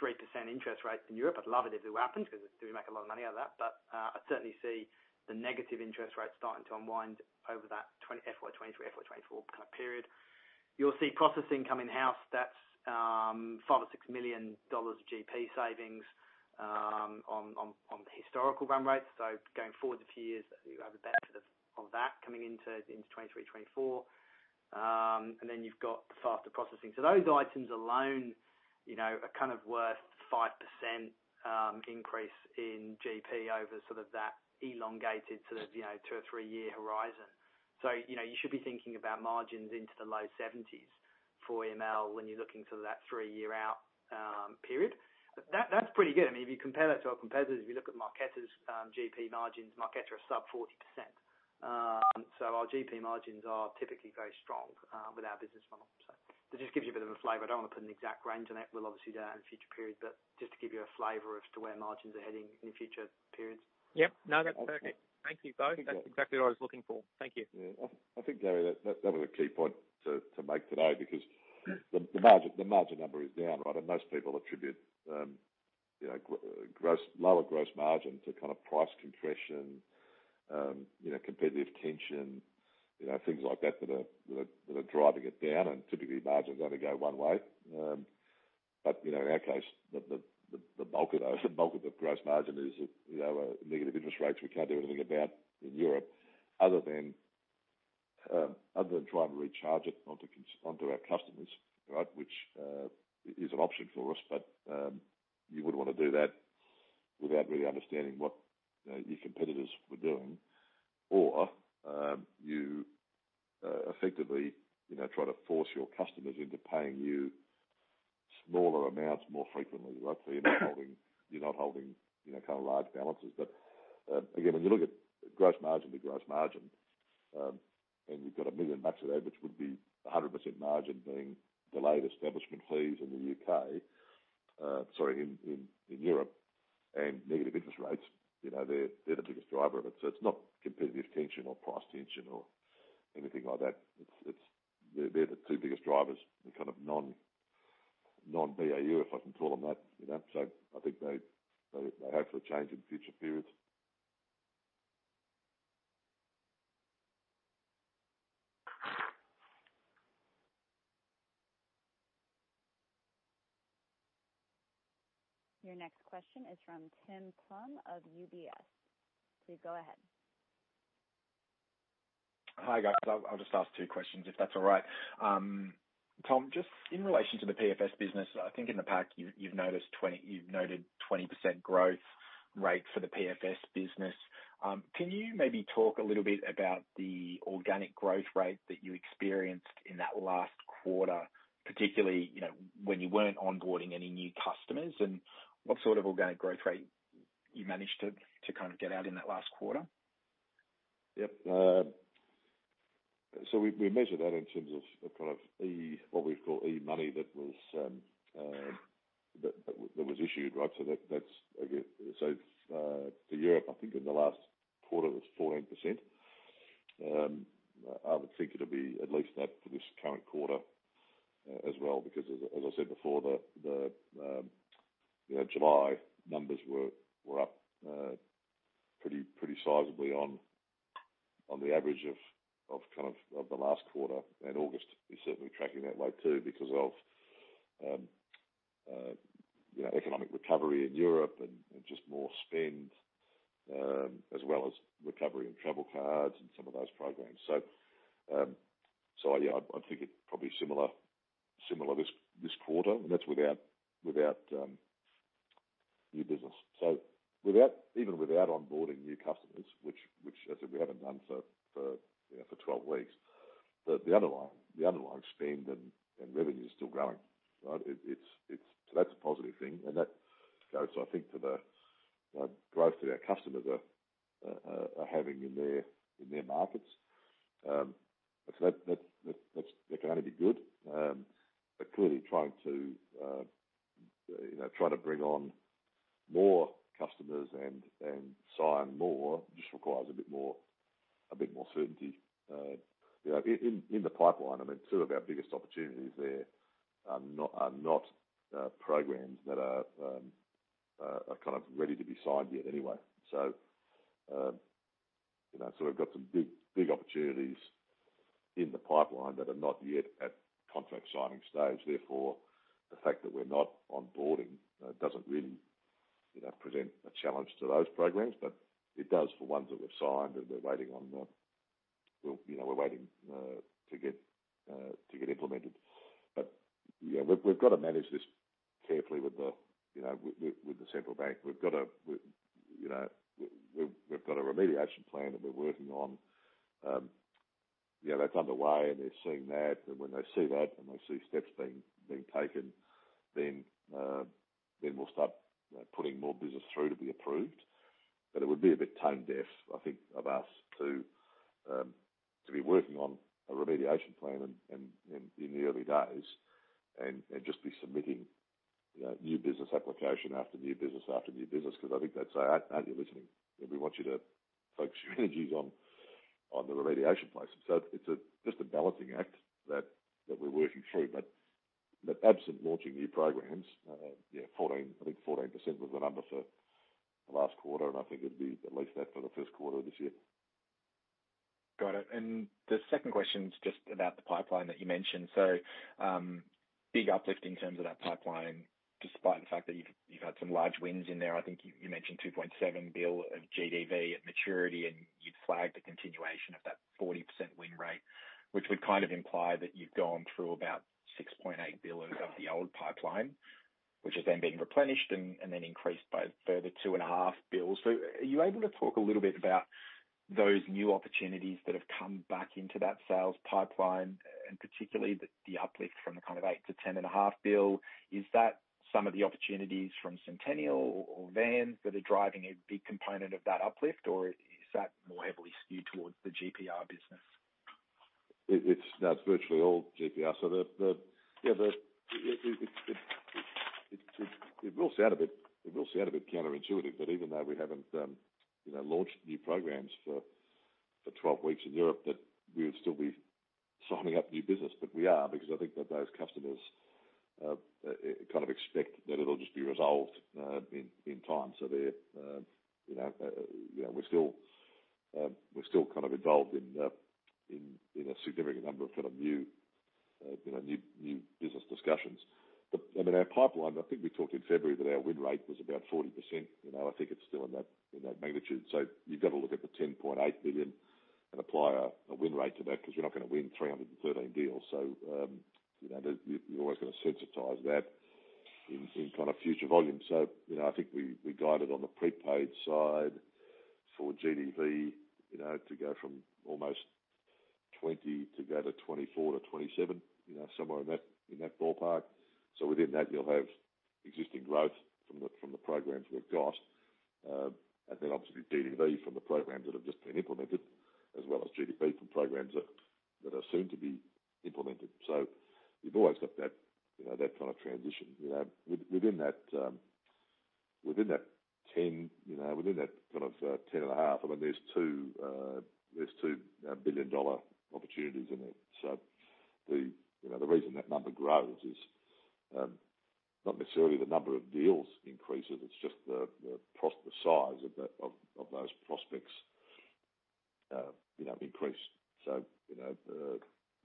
3% interest rates in Europe. I'd love it if it happened because we make a lot of money out of that. I certainly see the negative interest rates starting to unwind over that FY 2023, FY 2024 kind of period. You'll see processing come in-house. That's 5 million or 6 million dollars of GP savings on the historical run rates. Going forward a few years, you'll have the benefit of that coming into 2023, 2024. Then you've got the faster processing. Those items alone are kind of worth 5% increase in GP over sort of that elongated two or three-year horizon. You should be thinking about margins into the low 70%s for EML when you're looking to that three year out period. That's pretty good. If you compare that to our competitors, if you look at Marqeta's GP margins, Marqeta are sub 40%. Our GP margins are typically very strong with our business model. It just gives you a bit of a flavor. I don't want to put an exact range on it. We'll obviously do that in future periods, but just to give you a flavor as to where margins are heading in future periods. Yep. No, that's perfect. Thank you, Rob. That's exactly what I was looking for. Thank you. I think, Garry, that was a key point to make today because the margin number is down, right? Most people attribute lower gross margin to kind of price compression, competitive tension, things like that are driving it down and typically margins only go one way. In our case, the bulk of the gross margin is negative interest rates we can't do anything about in Europe other than trying to recharge it onto our customers, right? Which is an option for us, but you wouldn't want to do that without really understanding what your competitors were doing. You effectively try to force your customers into paying you smaller amounts more frequently, right? You're not holding kind of large balances. Again, when you look at gross margin to gross margin, and you've got 1 million bucks of that which would be 100% margin being delayed establishment fees in the U.K., sorry, in Europe, and negative interest rates. They're the biggest driver of it. It's not competitive tension or price tension or anything like that. They're the two biggest drivers, the kind of non-BAU, if I can call them that. I think they hopefully change in future periods. Your next question is from Tim Plumbe of UBS. Please go ahead. Hi, guys. I'll just ask two questions, if that's all right. Tom, just in relation to the PFS business, I think in the pack you've noted 20% growth rate for the PFS business. Can you maybe talk a little bit about the organic growth rate that you experienced in that last quarter, particularly when you weren't onboarding any new customers? What sort of organic growth rate you managed to kind of get out in that last quarter? Yep. We measure that in terms of kind of what we call e-money that was issued, right? For Europe, I think in the last quarter was 14%. I would think it'll be at least that for this current quarter as well, because as I said before, the July numbers were up pretty sizably on the average of the last quarter. August is certainly tracking that way, too, because of economic recovery in Europe and just more spend, as well as recovery in travel cards and some of those programs. Yeah, I think it's probably similar this quarter, and that's without new business. Even without onboarding new customers, which as I said, we haven't done for 12 weeks, the underlying spend and revenue is still growing, right? That's a positive thing, and that goes, I think, to the growth that our customers are having in their markets. That can only be good. Clearly trying to bring on more customers and sign more just requires a bit more certainty. In the pipeline, I mean, two of our biggest opportunities there are not programs that are kind of ready to be signed yet anyway. We've got some big opportunities in the pipeline that are not yet at contract signing stage. Therefore, the fact that we're not onboarding doesn't really present a challenge to those programs, but it does for ones that we've signed and we're waiting to get implemented. We've got to manage this carefully with the Central Bank. We've got a remediation plan that we're working on. That's underway and they're seeing that, and when they see that and they see steps being taken, then we'll start putting more business through to be approved. It would be a bit tone deaf, I think, of us to be working on a remediation plan in the early days and just be submitting new business application after new business after new business, because I think they'd say, "Aren't you listening? We want you to focus your energies on the remediation plan." It's just a balancing act that we're working through. Absent launching new programs, yeah, I think 14% was the number for last quarter, and I think it'd be at least that for the first quarter of this year. Got it. The second question's just about the pipeline that you mentioned. Big uplift in terms of that pipeline, despite the fact that you've had some large wins in there. I think you mentioned 2.7 billion of GDV at maturity, and you'd flagged a continuation of that 40% win rate, which would kind of imply that you've gone through about 6.8 billion of the old pipeline. Which is then being replenished and then increased by a further 2.5 billion. Are you able to talk a little bit about those new opportunities that have come back into that sales pipeline, and particularly the uplift from the kind of 8 billion-10.5 billion? Is that some of the opportunities from Sentenial or VANs that are driving a big component of that uplift, or is that more heavily skewed towards the GPR business? It's now virtually all GPR. It will sound a bit counterintuitive, but even though we haven't launched new programs for 12 weeks in Europe, that we would still be signing up new business. We are, because I think that those customers kind of expect that it'll just be resolved in time. We're still kind of involved in a significant number of new business discussions. I mean, our pipeline, I think we talked in February that our win rate was about 40%. I think it's still in that magnitude. You've got to look at the 10.8 billion and apply a win rate to that, because you're not going to win 313 deals. You're always going to sensitize that in kind of future volume. I think we guided on the prepaid side for GDV to go from almost 20 billion to go to 24 billion-27 billion, somewhere in that ballpark. Within that, you'll have existing growth from the programs we've got. Then obviously GDV from the programs that have just been implemented, as well as GDV from programs that are soon to be implemented. You've always got that kind of transition. Within that 10 billion, within that kind of 10.5 billion, I mean, there's 2 billion dollar opportunities in there. The reason that number grows is not necessarily the number of deals increases, it's just the size of those prospects increase.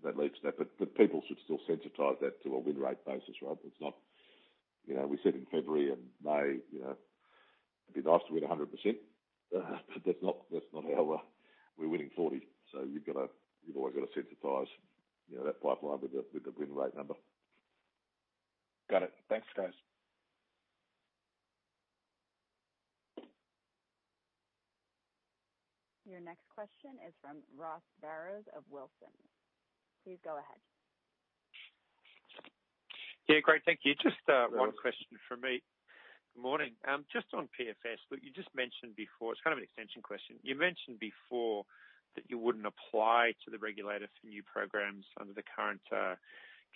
That leads to that. People should still sensitize that to a win rate basis, Rob. We said in February and May, it'd be nice to win 100%, but that's not how We're winning 40%. You've always got to sensitize that pipeline with the win rate number. Got it. Thanks, guys. Your next question is from Ross Barrows of Wilsons. Please go ahead. Yeah, great. Thank you. Just one question from me. Good morning. Just on PFS, look, you just mentioned before, it's kind of an extension question. You mentioned before that you wouldn't apply to the regulator for new programs under the current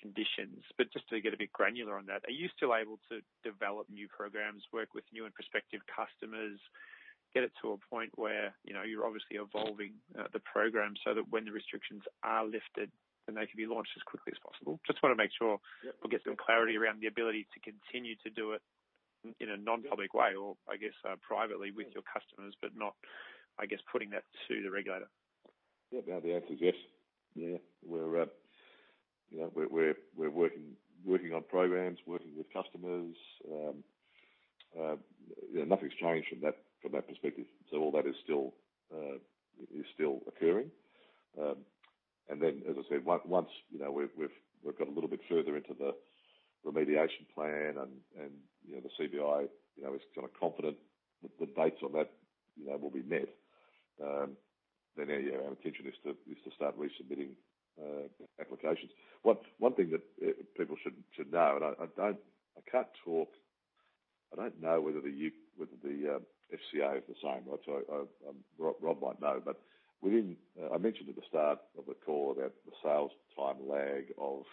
conditions. Just to get a bit granular on that, are you still able to develop new programs, work with new and prospective customers, get it to a point where you're obviously evolving the program so that when the restrictions are lifted, then they can be launched as quickly as possible? Just want to make sure. Yeah we'll get some clarity around the ability to continue to do it in a non-public way or I guess privately with your customers, but not, I guess, putting that to the regulator. No, the answer is yes. We're working on programs, working with customers. Nothing's changed from that perspective. All that is still occurring. As I said, once we've got a little bit further into the remediation plan and the CBI is kind of confident the dates on that will be met, then our intention is to start resubmitting applications. One thing that people should know, I can't talk, I don't know whether the FCA is the same, Rob might know. I mentioned at the start of the call that the sales time lag of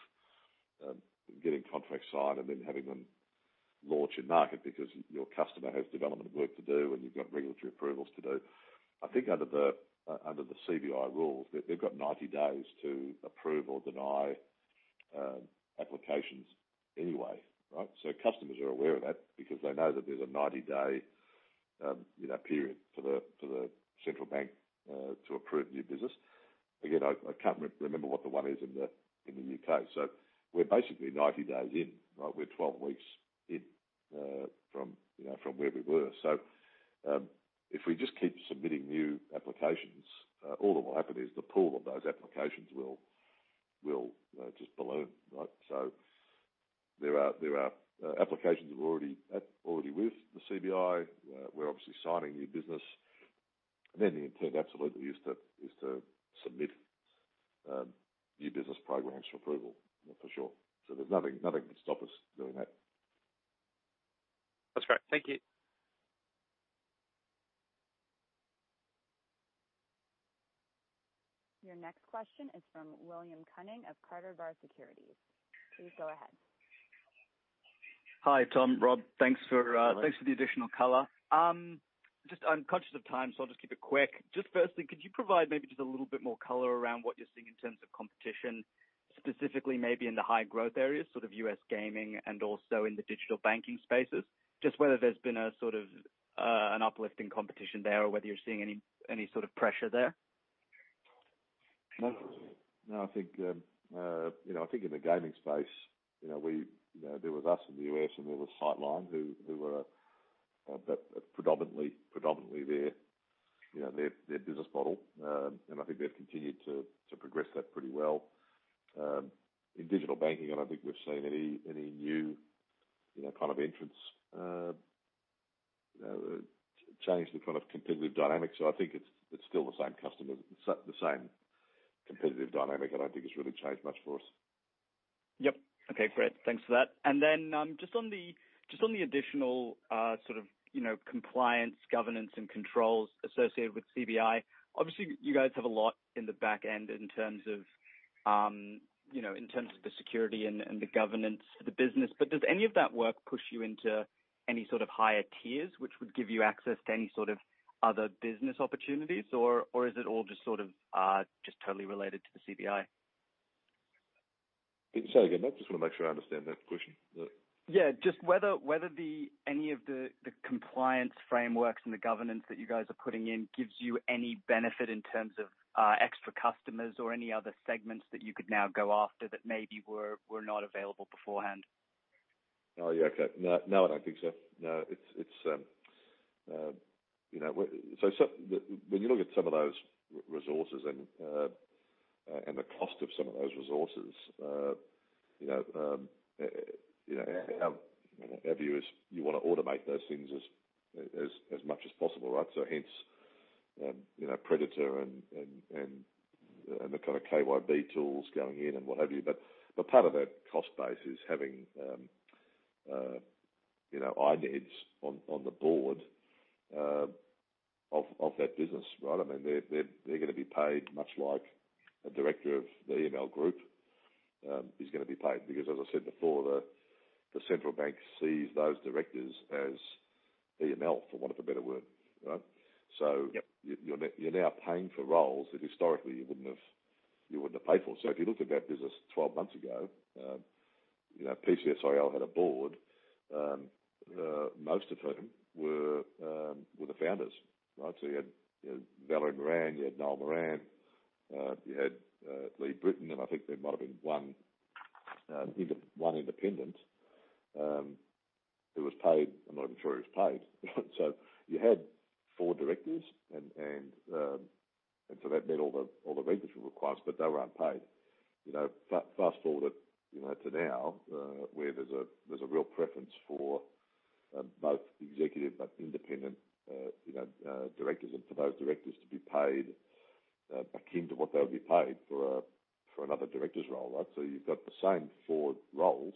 getting contracts signed and then having them launch in market because your customer has development work to do and you've got regulatory approvals to do. I think under the CBI rules, they've got 90 days to approve or deny applications anyway, right? Customers are aware of that because they know that there's a 90-day period for the Central Bank to approve new business. Again, I can't remember what the one is in the U.K. We're basically 90 days in, right? We're 12 weeks in from where we were. If we just keep submitting new applications, all that will happen is the pool of those applications will just balloon, right? There are applications that are already with the CBI. We're obviously signing new business. The intent absolutely is to submit new business programs for approval, for sure. There's nothing can stop us doing that. That's great. Thank you. Your next question is from William Cunning of Carter Bar Securities. Please go ahead. Hello. Hi Tom, Rob. Thanks for the additional color. Just, I'm conscious of time, so I'll just keep it quick. Just firstly, could you provide maybe just a little bit more color around what you're seeing in terms of competition, specifically maybe in the high growth areas, sort of U.S. gaming and also in the digital banking spaces? Just whether there's been a sort of an uplift in competition there or whether you're seeing any sort of pressure there. No. I think in the gaming space, there was us in the U.S. and there was Sightline who were predominantly their business model. I think they've continued to progress that pretty well. In digital banking, I don't think we've seen any new kind of entrants change the kind of competitive dynamic. I think it's still the same competitive dynamic. I don't think it's really changed much for us. Yep. Okay, great. Thanks for that. Just on the additional sort of compliance, governance, and controls associated with CBI, obviously, you guys have a lot in the back end in terms of the security and the governance of the business. Does any of that work push you into any sort of higher tiers, which would give you access to any sort of other business opportunities? Is it all just sort of, just totally related to the CBI? Can you say again? I just want to make sure I understand that question. Yeah. Just whether any of the compliance frameworks and the governance that you guys are putting in gives you any benefit in terms of extra customers or any other segments that you could now go after that maybe were not available beforehand? Oh, yeah. Okay. No, I don't think so. No. When you look at some of those resources and the cost of some of those resources, our view is you want to automate those things as much as possible, right? Hence, Predator and the kind of KYB tools going in and what have you. Part of that cost base is having INEDs on the Board of that business, right? I mean, they're going to be paid much like a director of the EML group is going to be paid. As I said before, the Central Bank sees those directors as EML, for want of a better word, right? Yep. You're now paying for roles that historically you wouldn't have paid for. If you looked at that business 12 months ago, PCSIL had a Board, most of whom were the founders, right? You had Valerie Moran, you had Noel Moran, you had Lee Britton, and I think there might have been one independent who was paid. I'm not even sure he was paid. You had four directors, and so that met all the regulatory requirements, but they weren't paid. Fast-forward it to now, where there's a real preference for both executive but independent directors, and for those directors to be paid akin to what they would be paid for another director's role, right? You've got the same four roles.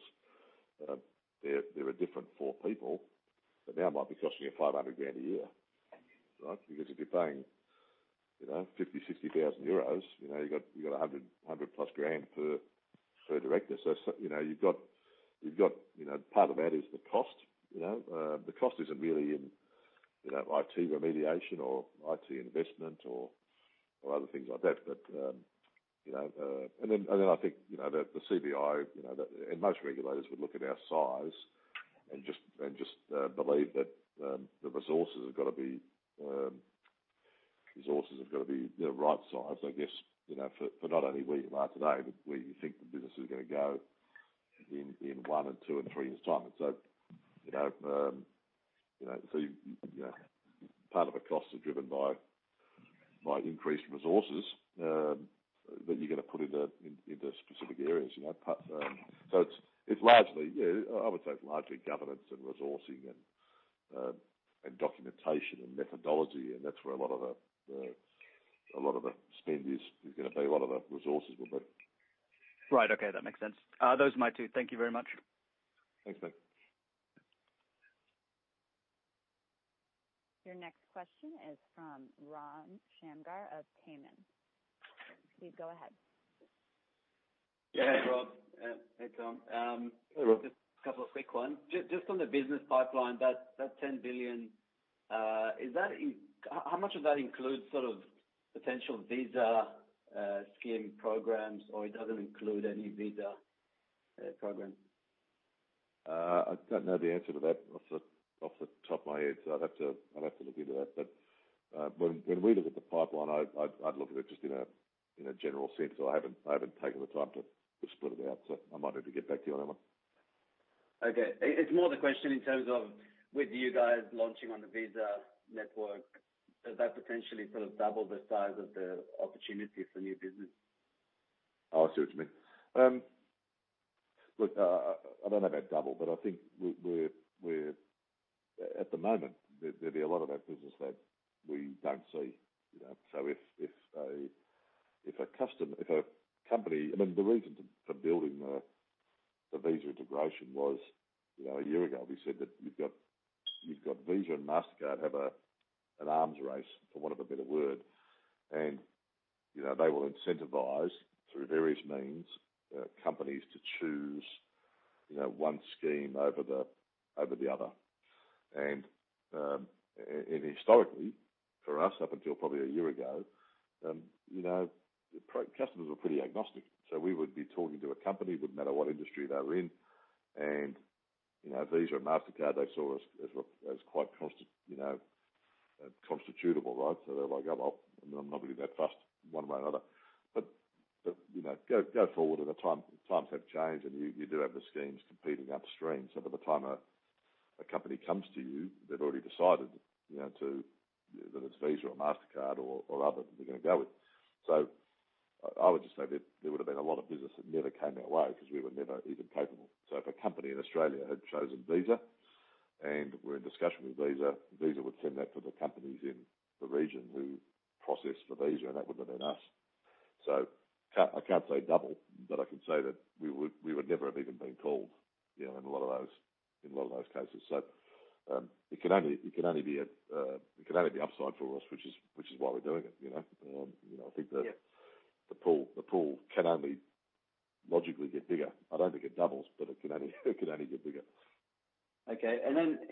They're a different four people, but now might be costing you 500,000 a year, right? If you're paying 50,000 euros, 60,000 euros, you've got AUD 100,000+ per director. Part of that is the cost. The cost isn't really in IT remediation or IT investment or other things like that. I think, the CBI and most regulators would look at our size and just believe that the resources have got to be the right size, I guess, for not only where you are today, but where you think the business is going to go in one and two and three years' time. Part of our costs are driven by increased resources that you're going to put into specific areas. It's largely, I would say, it's largely governance and resourcing and documentation and methodology, and that's where a lot of the spend is going to be. A lot of the resources will be. Right. Okay. That makes sense. Those are my two. Thank you very much. Thanks. Your next question is from Ron Shamgar of TAMIM. Please go ahead. Yeah. Ron. Hey, Tom. Hey, Ron. Just a couple of quick ones. Just on the business pipeline, that 10 billion, how much of that includes sort of potential Visa scheme programs, or it doesn't include any Visa programs? I don't know the answer to that off the top of my head, so I'd have to look into that. When we look at the pipeline, I'd look at it just in a general sense. I haven't taken the time to split it out, so I might have to get back to you on that one. Okay. It's more the question in terms of with you guys launching on the Visa network, does that potentially sort of double the size of the opportunity for new business? Oh, I see what you mean. Look, I don't know about double, but I think at the moment, there'd be a lot of our business that we don't see. I mean, the reason for building the Visa integration was, a year ago we said that you've got Visa and Mastercard have an arms race, for want of a better word. They will incentivize, through various means, companies to choose one scheme over the other. Historically, for us, up until probably a year ago, customers were pretty agnostic. We would be talking to a company, wouldn't matter what industry they were in, Visa or Mastercard, they saw us as quite constitutable, right? They're like, "Oh, well, I'm not really that fussed one way or another." Go forward, and the times have changed, and you do have the schemes competing upstream. By the time a company comes to you, they've already decided that it's Visa or Mastercard or other that they're going to go with. I would just say there would've been a lot of business that never came our way because we were never even capable. If a company in Australia had chosen Visa and were in discussion with Visa would send that to the companies in the region who processed for Visa, and that wouldn't have been us. I can't say double, but I can say that we would never have even been called in a lot of those cases. It can only be upside for us, which is why we're doing it. Yeah The pool can only logically get bigger. I don't think it doubles, but it can only get bigger. Okay.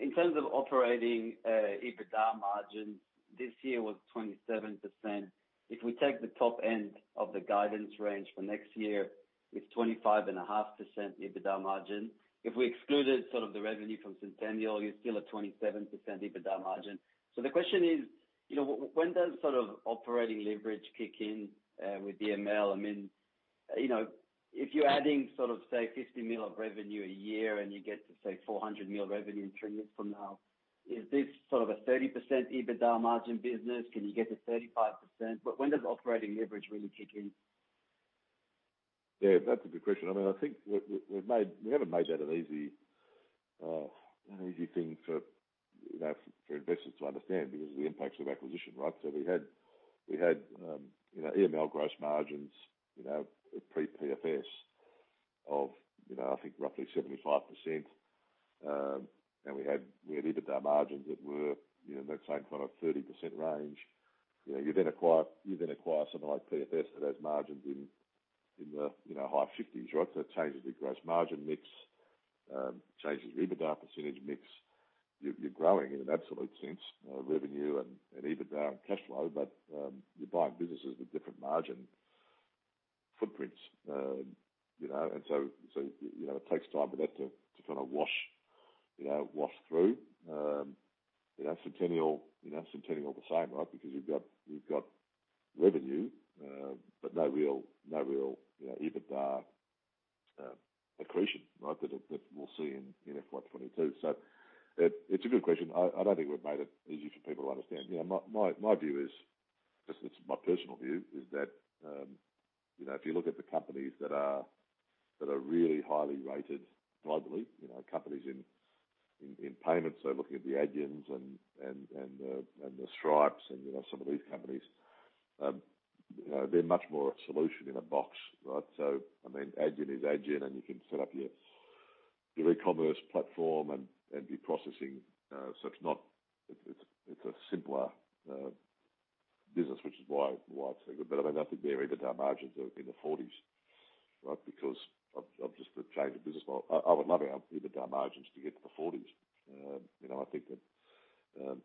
In terms of operating EBITDA margins, this year was 27%. If we take the top end of the guidance range for next year with 25.5% EBITDA margin, if we excluded sort of the revenue from Sentenial, you're still at 27% EBITDA margin. The question is, when does operating leverage kick in with EML? If you're adding, say, 50 million of revenue a year and you get to, say, 400 million revenue in three years from now, is this a 30% EBITDA margin business? Can you get to 35%? When does operating leverage really kick in? Yeah, that's a good question. I think we haven't made that an easy thing for investors to understand because of the impacts of acquisition, right? We had EML gross margins, pre-PFS of I think roughly 75%. We had EBITDA margins that were in that same kind of 30% range. You acquire something like PFS that has margins in the high 50%s, right? It changes your gross margin mix, changes your EBITDA percentage mix. You're growing in an absolute sense, revenue and EBITDA and cash flow, you're buying businesses with different margin footprints. It takes time for that to wash through. Sentenial the same, right? Because you've got revenue no real EBITDA accretion, right? That we'll see in FY 2022. It's a good question. I don't think we've made it easy for people to understand. My view is, it's my personal view, that if you look at the companies that are really highly rated globally, companies in payments, looking at Adyen and Stripe and some of these companies, they're much more a solution in a box, right? Adyen is Adyen, and you can set up your e-commerce platform and be processing. It's a simpler business, which is why it's so good. I don't think their EBITDA margins are in the 40%s, right? Because of just the change of business model. I would love our EBITDA margins to get to the 40%s. I think that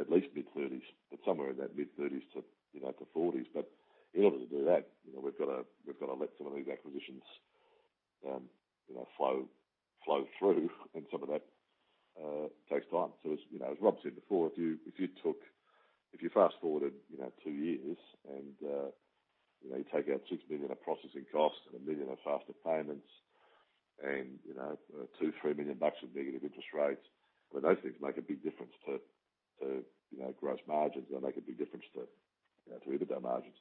at least mid-30%s, somewhere in that mid-30%s -40%s. In order to do that, we've got to let some of these acquisitions flow through, and some of that takes time. As Rob said before, if you fast-forwarded two years and you take out 6 million of processing costs and 1 million of Faster Payments and 2 million-3 million bucks of negative interest rates, those things make a big difference to gross margins. They'll make a big difference to EBITDA margins.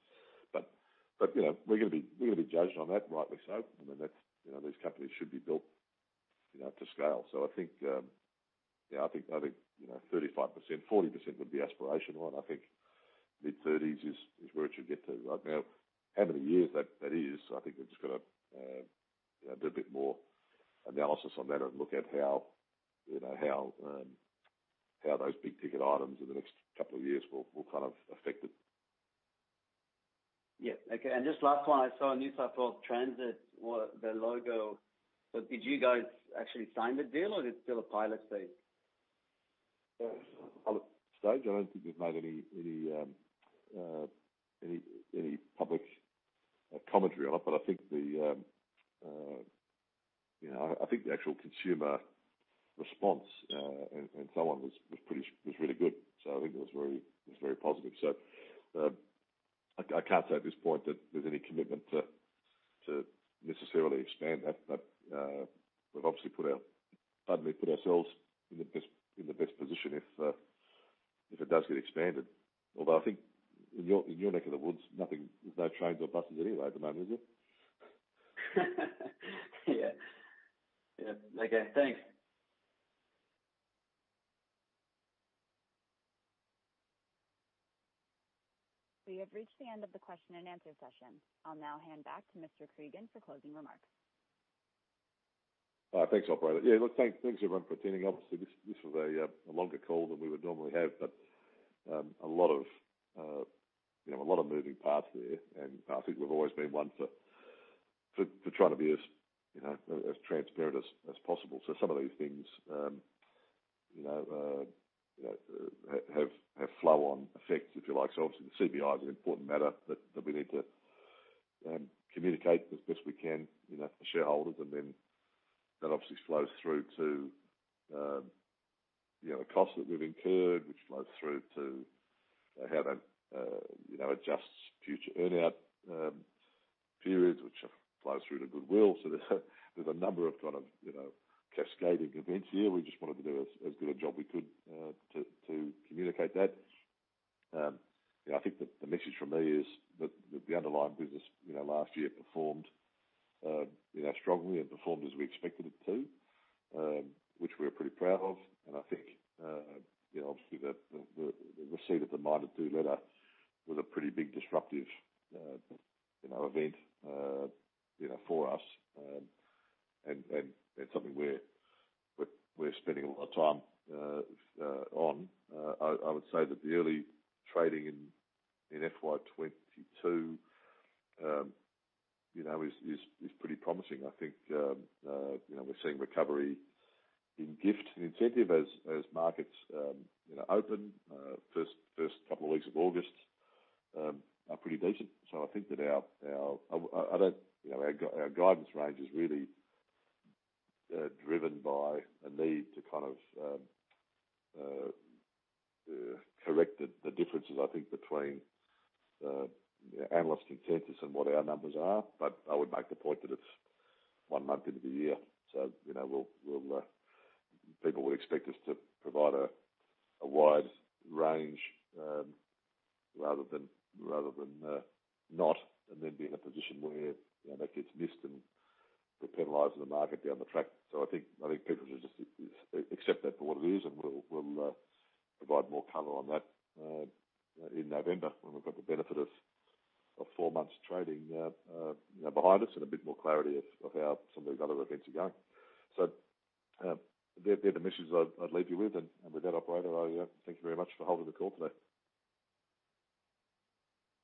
We're going to be judged on that, rightly so. These companies should be built to scale. I think 35%-40% would be aspirational, and I think mid-30%s is where it should get to. How many years that is, I think we've just got to do a bit more analysis on that and look at how those big-ticket items in the next couple of years will kind of affect it. Yeah. Okay. Just last one. I saw New South Wales transit the logo. Did you guys actually sign the deal or is it still a pilot stage? Pilot stage. I don't think we've made any public commentary on it. I think the actual consumer response and so on was really good. I think it was very positive. I can't say at this point that there's any commitment to necessarily expand that, but we've obviously put ourselves in the best position if it does get expanded. I think in your neck of the woods, there's no trains or buses anyway at the moment, is there? Yeah. Okay, thanks. We have reached the end of the question-and-answer session. I will now hand back to Mr. Cregan for closing remarks. Thanks, operator. Yeah, look, thanks, everyone, for attending. Obviously, this was a longer call than we would normally have, but a lot of moving parts there, and I think we've always been one for trying to be as transparent as possible. Some of these things, you know, have flow-on effects, if you like. Obviously the CBI is an important matter that we need to communicate as best we can for shareholders, and then that obviously flows through to the cost that we've incurred, which flows through to how that adjusts future earn-out periods, which flows through to goodwill. There's a number of kind of cascading events here. We just wanted to do as good a job we could to communicate that. I think that the message from me is that the underlying business last year performed strongly and performed as we expected it to, which we are pretty proud of. I think obviously the receipt of the minded to letter was a pretty big disruptive event for us. It's something we're spending a lot of time on. I would say that the early trading in FY 2022 is pretty promising. I think we're seeing recovery in gift and incentive as markets open. First couple of weeks of August are pretty decent. I think that our guidance range is really driven by a need to kind of correct the differences, I think between analyst consensus and what our numbers are. I would make the point that it's one month into the year, so people would expect us to provide a wide range, rather than not, and then be in a position where that gets missed and we're penalized in the market down the track. I think people should just accept that for what it is, and we'll provide more color on that in November when we've got the benefit of four months trading behind us and a bit more clarity of how some of these other events are going. They're the messages I'd leave you with and with that Operator, thank you very much for holding the call today.